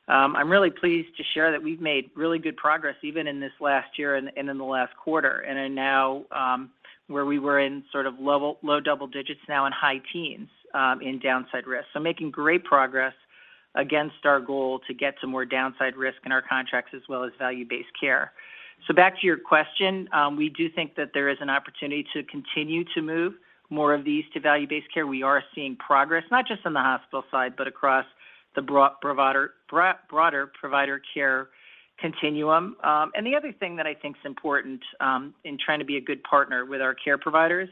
I'm really pleased to share that we've made really good progress, even in this last year and in the last quarter and are now where we were in sort of low double digits now and high teens in downside risk. Making great progress against our goal to get some more downside risk in our contracts as well as value-based care. Back to your question, we do think that there is an opportunity to continue to move more of these to value-based care. We are seeing progress, not just on the hospital side, but across the broader provider care continuum. The other thing that I think is important, in trying to be a good partner with our care providers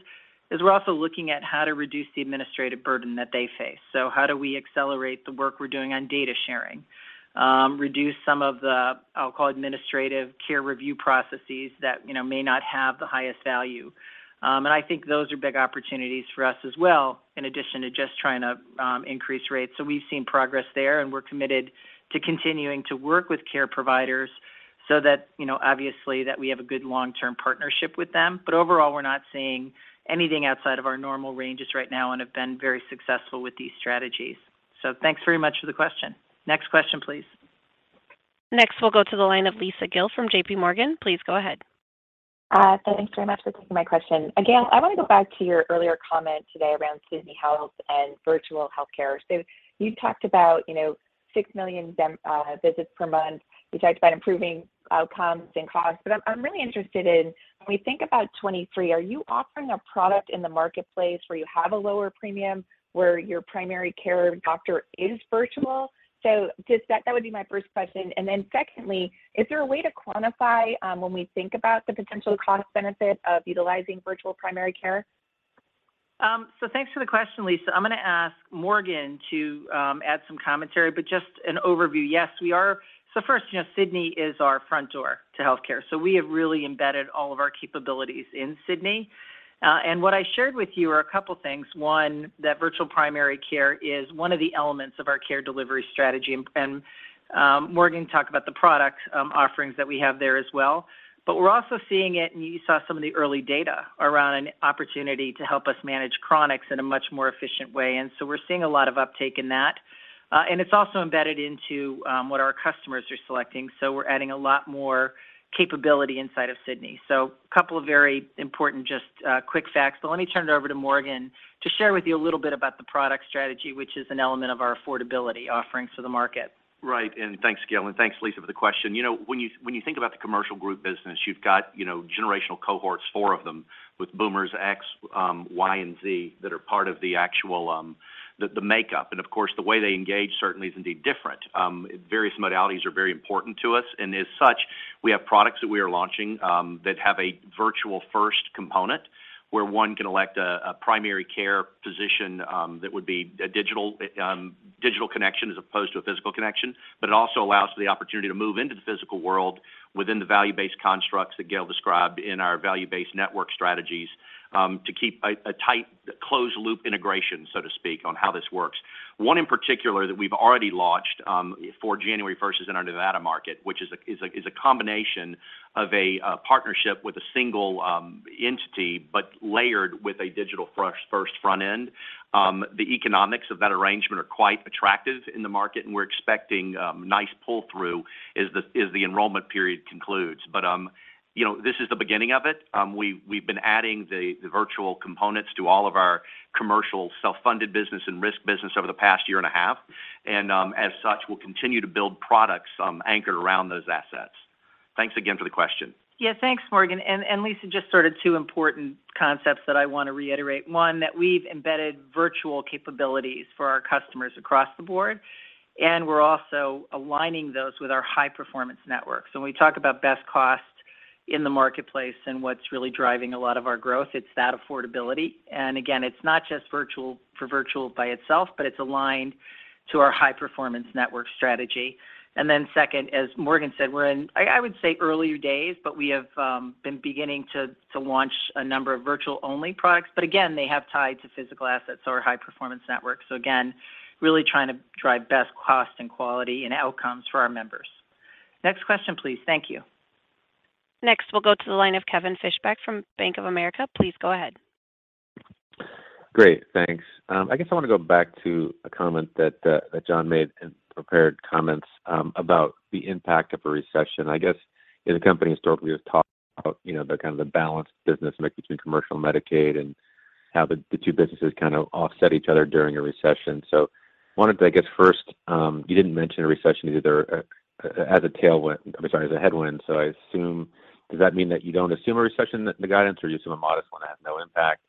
is we're also looking at how to reduce the administrative burden that they face. How do we accelerate the work we're doing on data sharing, reduce some of the, I'll call administrative care review processes that, you know, may not have the highest value. I think those are big opportunities for us as well, in addition to just trying to, increase rates. We've seen progress there, and we're committed to continuing to work with care providers so that, you know, obviously, that we have a good long-term partnership with them. Overall, we're not seeing anything outside of our normal ranges right now and have been very successful with these strategies. Thanks very much for the question. Next question, please. Next, we'll go to the line of Lisa Gill from JP Morgan. Please go ahead. Thanks very much for taking my question. Again, I want to go back to your earlier comment today around Sydney Health and virtual healthcare. You talked about, you know, 6 million visits per month. You talked about improving outcomes and costs. I'm really interested in when we think about 2023, are you offering a product in the marketplace where you have a lower premium where your primary care doctor is virtual? That would be my first question. Then secondly, is there a way to quantify when we think about the potential cost benefit of utilizing virtual primary care? Thanks for the question, Lisa. I'm going to ask Morgan to add some commentary, but just an overview. You know, Sydney is our front door to healthcare, so we have really embedded all of our capabilities in Sydney. And what I shared with you are a couple things. One, that virtual primary care is one of the elements of our care delivery strategy, and Morgan talk about the product offerings that we have there as well. But we're also seeing it, and you saw some of the early data around an opportunity to help us manage chronics in a much more efficient way. We're seeing a lot of uptake in that. And it's also embedded into what our customers are selecting, so we're adding a lot more capability inside of Sydney. A couple of very important just quick facts. Let me turn it over to Morgan to share with you a little bit about the product strategy, which is an element of our affordability offerings for the market. Right. Thanks, Gail, and thanks, Lisa, for the question. You know, when you think about the commercial group business, you've got, you know, generational cohorts, four of them with Boomers X, Y, and Z that are part of the actual the makeup. Of course, the way they engage certainly is indeed different. Various modalities are very important to us, and as such, we have products that we are launching, that have a virtual first component, where one can elect a primary care physician, that would be a digital connection as opposed to a physical connection. It also allows for the opportunity to move into the physical world within the value-based constructs that Gail described in our value-based network strategies, to keep a tight closed loop integration, so to speak, on how this works. One in particular that we've already launched for January first is in our Nevada market, which is a combination of a partnership with a single entity, but layered with a digital first front end. The economics of that arrangement are quite attractive in the market, and we're expecting nice pull through as the enrollment period concludes. You know, this is the beginning of it. We've been adding the virtual components to all of our commercial self-funded business and risk business over the past year and a half, and as such, we'll continue to build products anchored around those assets. Thanks again for the question. Yeah, thanks, Morgan. Lisa, just sort of two important concepts that I wanna reiterate. One, that we've embedded virtual capabilities for our customers across the board, and we're also aligning those with our high performance networks. When we talk about best cost in the marketplace and what's really driving a lot of our growth, it's that affordability. Again, it's not just virtual for virtual by itself, but it's aligned to our high performance network strategy. Then second, as Morgan said, we're in earlier days, but we have been beginning to launch a number of virtual only products. Again, they have tied to physical assets or high performance networks. Again, really trying to drive best cost and quality and outcomes for our members. Next question, please. Thank you. Next, we'll go to the line of Kevin Fischbeck from Bank of America. Please go ahead. Great, thanks. I guess I wanna go back to a comment that John made in prepared comments about the impact of a recession. I guess as a company historically has talked about, you know, the kind of balanced business mix between commercial Medicaid and how the two businesses kind of offset each other during a recession. Wanted to, I guess, first, you didn't mention a recession either as a tailwind, I'm sorry, as a headwind. I assume, does that mean that you don't assume a recession, the guidance, or you assume a modest one to have no impact?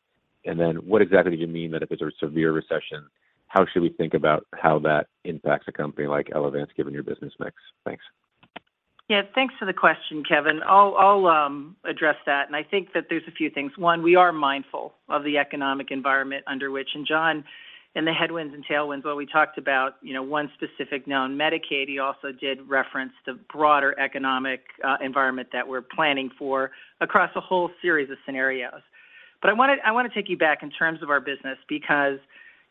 And then what exactly do you mean that if it's a severe recession, how should we think about how that impacts a company like Elevance given your business mix? Thanks. Yeah, thanks for the question, Kevin. I'll address that. I think that there's a few things. One, we are mindful of the economic environment under which, and John, in the headwinds and tailwinds, while we talked about, you know, one specific known Medicaid, he also did reference the broader economic environment that we're planning for across a whole series of scenarios. I wanna take you back in terms of our business because,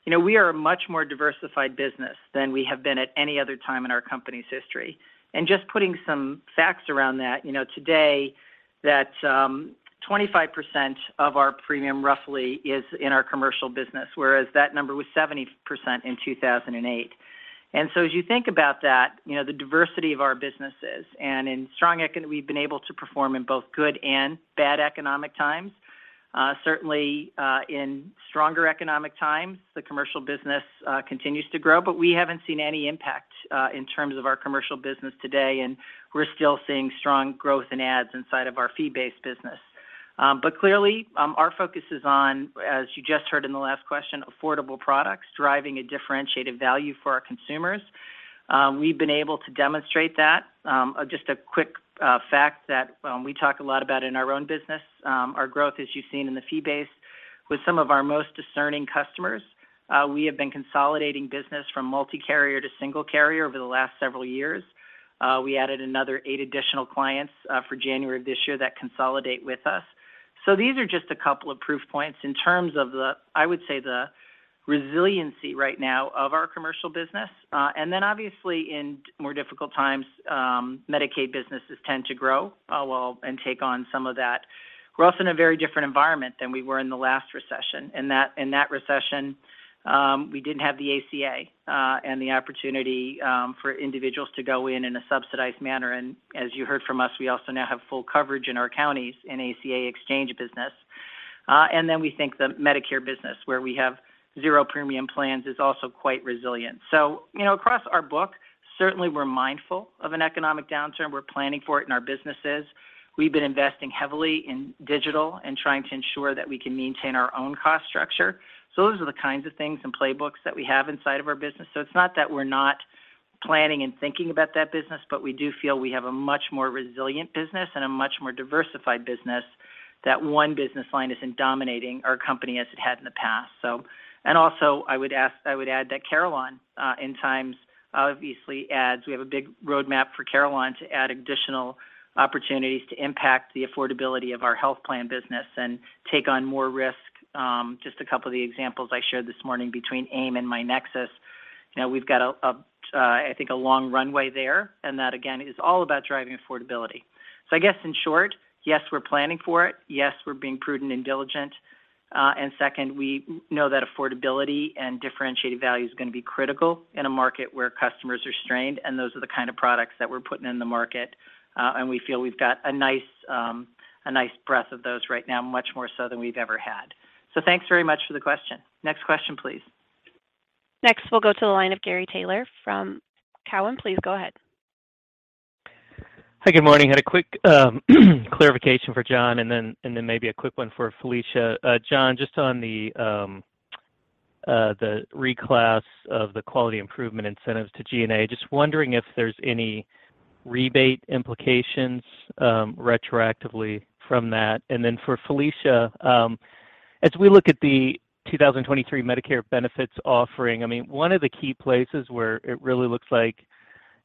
you know, we are a much more diversified business than we have been at any other time in our company's history. Just putting some facts around that, you know, today that's 25% of our premium roughly is in our commercial business, whereas that number was 70% in 2008. As you think about that, you know, the diversity of our businesses. We've been able to perform in both good and bad economic times. Certainly, in stronger economic times, the commercial business continues to grow, but we haven't seen any impact in terms of our commercial business today, and we're still seeing strong growth in ASOs inside of our fee-based business. Clearly, our focus is on, as you just heard in the last question, affordable products driving a differentiated value for our consumers. We've been able to demonstrate that. Just a quick fact that we talk a lot about in our own business, our growth, as you've seen in the fee-based with some of our most discerning customers. We have been consolidating business from multi-carrier to single carrier over the last several years. We added another eight additional clients for January of this year that consolidate with us. These are just a couple of proof points in terms of the, I would say, the resiliency right now of our commercial business. And then obviously in more difficult times, Medicaid businesses tend to grow well and take on some of that. We're also in a very different environment than we were in the last recession. In that recession, we didn't have the ACA and the opportunity for individuals to go in in a subsidized manner. As you heard from us, we also now have full coverage in our counties in ACA exchange business. We think the Medicare business where we have zero premium plans is also quite resilient. You know, across our book, certainly we're mindful of an economic downturn. We're planning for it in our businesses. We've been investing heavily in digital and trying to ensure that we can maintain our own cost structure. Those are the kinds of things and playbooks that we have inside of our business. It's not that we're not planning and thinking about that business, but we do feel we have a much more resilient business and a much more diversified business that one business line isn't dominating our company as it had in the past. I would add that Carelon in times obviously adds. We have a big roadmap for Carelon to add additional opportunities to impact the affordability of our health plan business and take on more risk. Just a couple of the examples I shared this morning between AIM and myNEXUS. You know, we've got a I think a long runway there, and that again is all about driving affordability. I guess in short, yes, we're planning for it, yes, we're being prudent and diligent. We know that affordability and differentiated value is gonna be critical in a market where customers are strained, and those are the kind of products that we're putting in the market. We feel we've got a nice breadth of those right now, much more so than we've ever had. Thanks very much for the question. Next question, please. Next, we'll go to the line of Gary Taylor from Cowen. Please go ahead. Hi, good morning. I had a quick clarification for John and then maybe a quick one for Felicia. John, just on the reclass of the quality improvement incentives to G&A, just wondering if there's any rebate implications retroactively from that. For Felicia, as we look at the 2023 Medicare benefits offering, I mean, one of the key places where it really looks like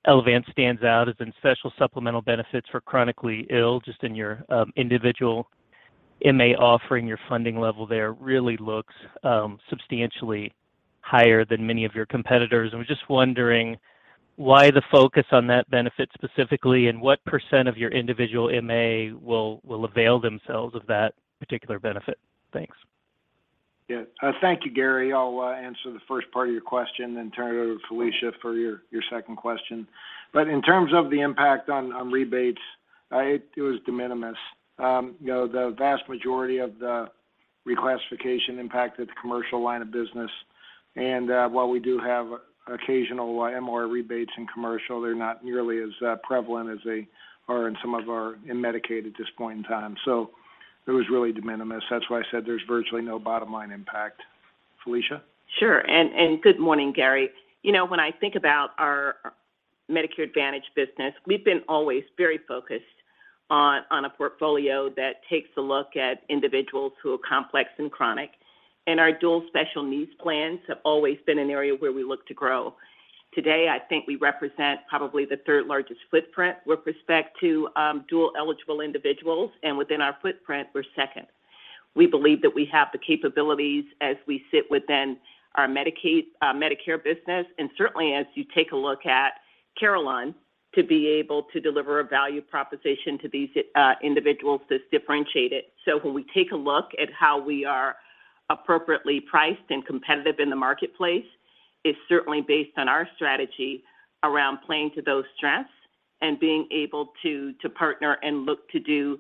Elevance stands out is in special supplemental benefits for chronically ill, just in your individual MA offering. Your funding level there really looks substantially higher than many of your competitors. I was just wondering why the focus on that benefit specifically and what % of your individual MA will avail themselves of that particular benefit? Thanks. Yeah. Thank you, Gary. I'll answer the first part of your question, then turn it over to Felicia for your second question. In terms of the impact on rebates, it was de minimis. You know, the vast majority of the reclassification impacted the commercial line of business. While we do have occasional MLR rebates in commercial, they're not nearly as prevalent as they are in Medicaid at this point in time. It was really de minimis. That's why I said there's virtually no bottom line impact. Felicia? Sure. Good morning, Gary. You know, when I think about our Medicare Advantage business, we've been always very focused on a portfolio that takes a look at individuals who are complex and chronic. Our dual special needs plans have always been an area where we look to grow. Today, I think we represent probably the third largest footprint with respect to dual-eligible individuals, and within our footprint, we're second. We believe that we have the capabilities as we sit within our Medicare business, and certainly as you take a look at Carelon, to be able to deliver a value proposition to these individuals that's differentiated. When we take a look at how we are appropriately priced and competitive in the marketplace, it's certainly based on our strategy around playing to those strengths and being able to partner and look to do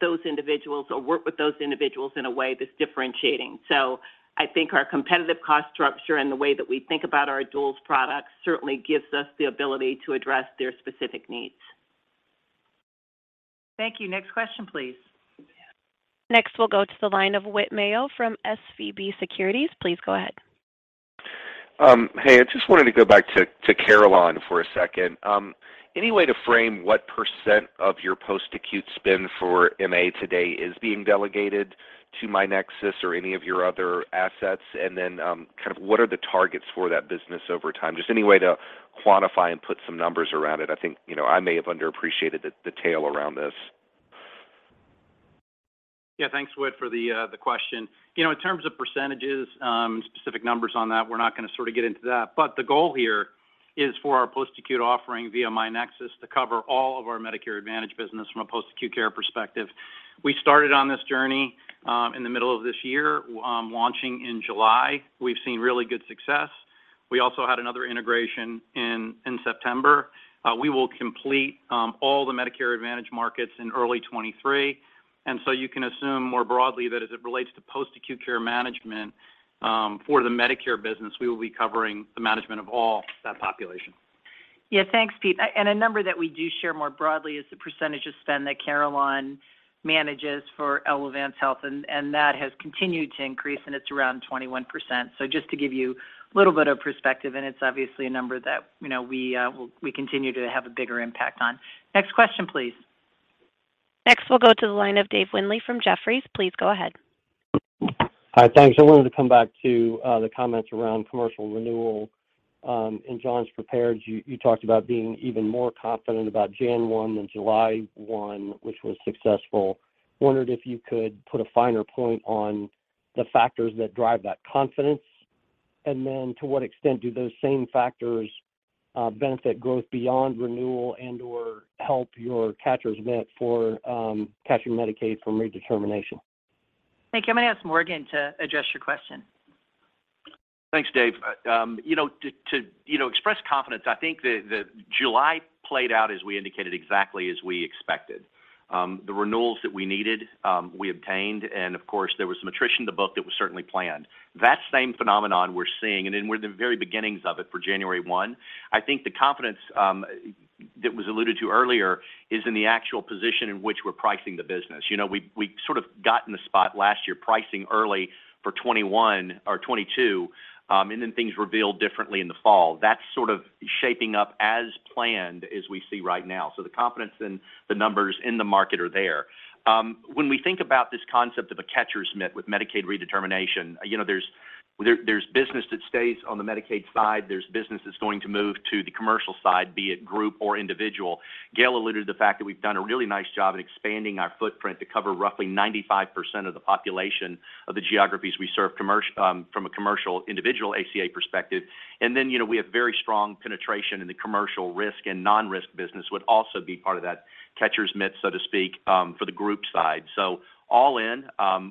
those individuals or work with those individuals in a way that's differentiating. I think our competitive cost structure and the way that we think about our duals products certainly gives us the ability to address their specific needs. Thank you. Next question, please. Next, we'll go to the line of Whit Mayo from SVB Securities. Please go ahead. Hey, I just wanted to go back to Carelon for a second. Any way to frame what % of your post-acute spend for MA today is being delegated to myNEXUS or any of your other assets? Then, kind of what are the targets for that business over time? Just any way to quantify and put some numbers around it. I think, you know, I may have underappreciated the tail around this. Yeah. Thanks, Whit, for the question. You know, in terms of percentages, specific numbers on that, we're not gonna sort of get into that. The goal here is for our post-acute offering via myNEXUS to cover all of our Medicare Advantage business from a post-acute care perspective. We started on this journey in the middle of this year, launching in July. We've seen really good success. We also had another integration in September. We will complete all the Medicare Advantage markets in early 2023. You can assume more broadly that as it relates to post-acute care management for the Medicare business, we will be covering the management of all that population. Yeah. Thanks, Pete. A number that we do share more broadly is the percentage of spend that Carelon manages for Elevance Health, and that has continued to increase, and it's around 21%. Just to give you a little bit of perspective, and it's obviously a number that, you know, we continue to have a bigger impact on. Next question, please. Next, we'll go to the line of David Windley from Jefferies. Please go ahead. Hi. Thanks. I wanted to come back to the comments around commercial renewal. In John's prepared, you talked about being even more confident about January 1 than July 1, which was successful. Wondered if you could put a finer point on the factors that drive that confidence? Then to what extent do those same factors benefit growth beyond renewal and/or help your catcher's mitt for catching Medicaid from redetermination? Thank you. I'm gonna ask Morgan to address your question. Thanks, Dave. You know, to express confidence, I think the July played out as we indicated exactly as we expected. The renewals that we needed, we obtained, and of course, there was some attrition to book that was certainly planned. That same phenomenon we're seeing, and we're the very beginnings of it for January one. I think the confidence, That was alluded to earlier is in the actual position in which we're pricing the business. You know, we sort of got in the spot last year, pricing early for 2021 or 2022, and then things revealed differently in the fall. That's sort of shaping up as planned as we see right now. The confidence in the numbers in the market are there. When we think about this concept of a catcher's mitt with Medicaid redetermination, you know, there's business that stays on the Medicaid side, there's business that's going to move to the commercial side, be it group or individual. Gail alluded to the fact that we've done a really nice job in expanding our footprint to cover roughly 95% of the population of the geographies we serve commercial from a commercial individual ACA perspective. you know, we have very strong penetration in the commercial risk and non-risk business would also be part of that catcher's mitt, so to speak, for the group side. All in,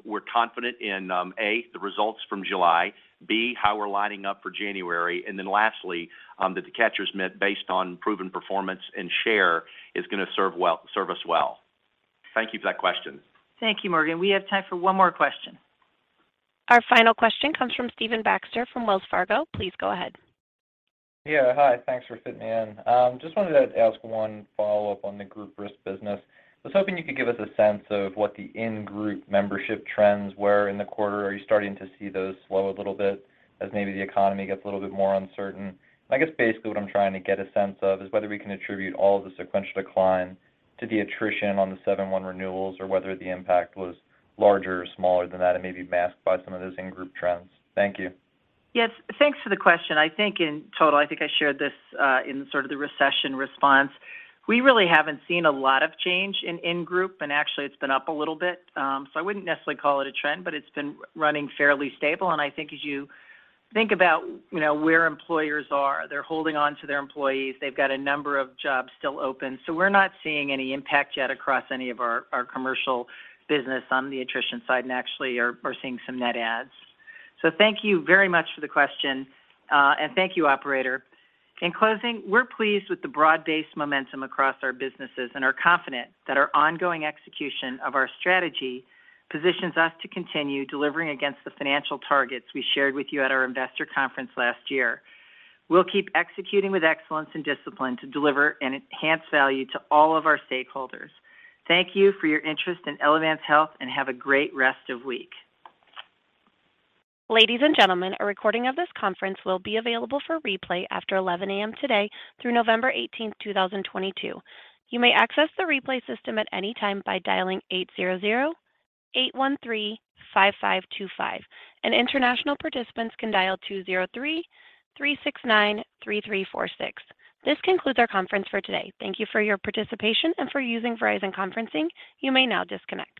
we're confident in, A, the results from July, B, how we're lining up for January, and then lastly, that the catcher's mitt, based on proven performance and share, is gonna serve us well. Thank you for that question. Thank you, Morgan. We have time for one more question. Our final question comes from Stephen Baxter from Wells Fargo. Please go ahead. Yeah. Hi. Thanks for fitting me in. Just wanted to ask one follow-up on the group risk business. I was hoping you could give us a sense of what the in-group membership trends were in the quarter. Are you starting to see those slow a little bit as maybe the economy gets a little bit more uncertain? I guess basically what I'm trying to get a sense of is whether we can attribute all of the sequential decline to the attrition on the 7/1 renewals or whether the impact was larger or smaller than that and maybe masked by some of those in-group trends. Thank you. Yes. Thanks for the question. I think in total, I think I shared this in sort of the recession response. We really haven't seen a lot of change in-group, and actually it's been up a little bit. I wouldn't necessarily call it a trend, but it's been running fairly stable. I think as you think about, you know, where employers are, they're holding on to their employees. They've got a number of jobs still open. We're not seeing any impact yet across any of our commercial business on the attrition side, and actually are seeing some net adds. Thank you very much for the question, and thank you, operator. In closing, we're pleased with the broad-based momentum across our businesses and are confident that our ongoing execution of our strategy positions us to continue delivering against the financial targets we shared with you at our investor conference last year. We'll keep executing with excellence and discipline to deliver and enhance value to all of our stakeholders. Thank you for your interest in Elevance Health, and have a great rest of week. Ladies and gentlemen, a recording of this conference will be available for replay after 11 A.M. today through November 18, 2022. You may access the replay system at any time by dialing 800-813-5525, and international participants can dial 203-369-3346. This concludes our conference for today. Thank you for your participation and for using Verizon Conferencing. You may now disconnect.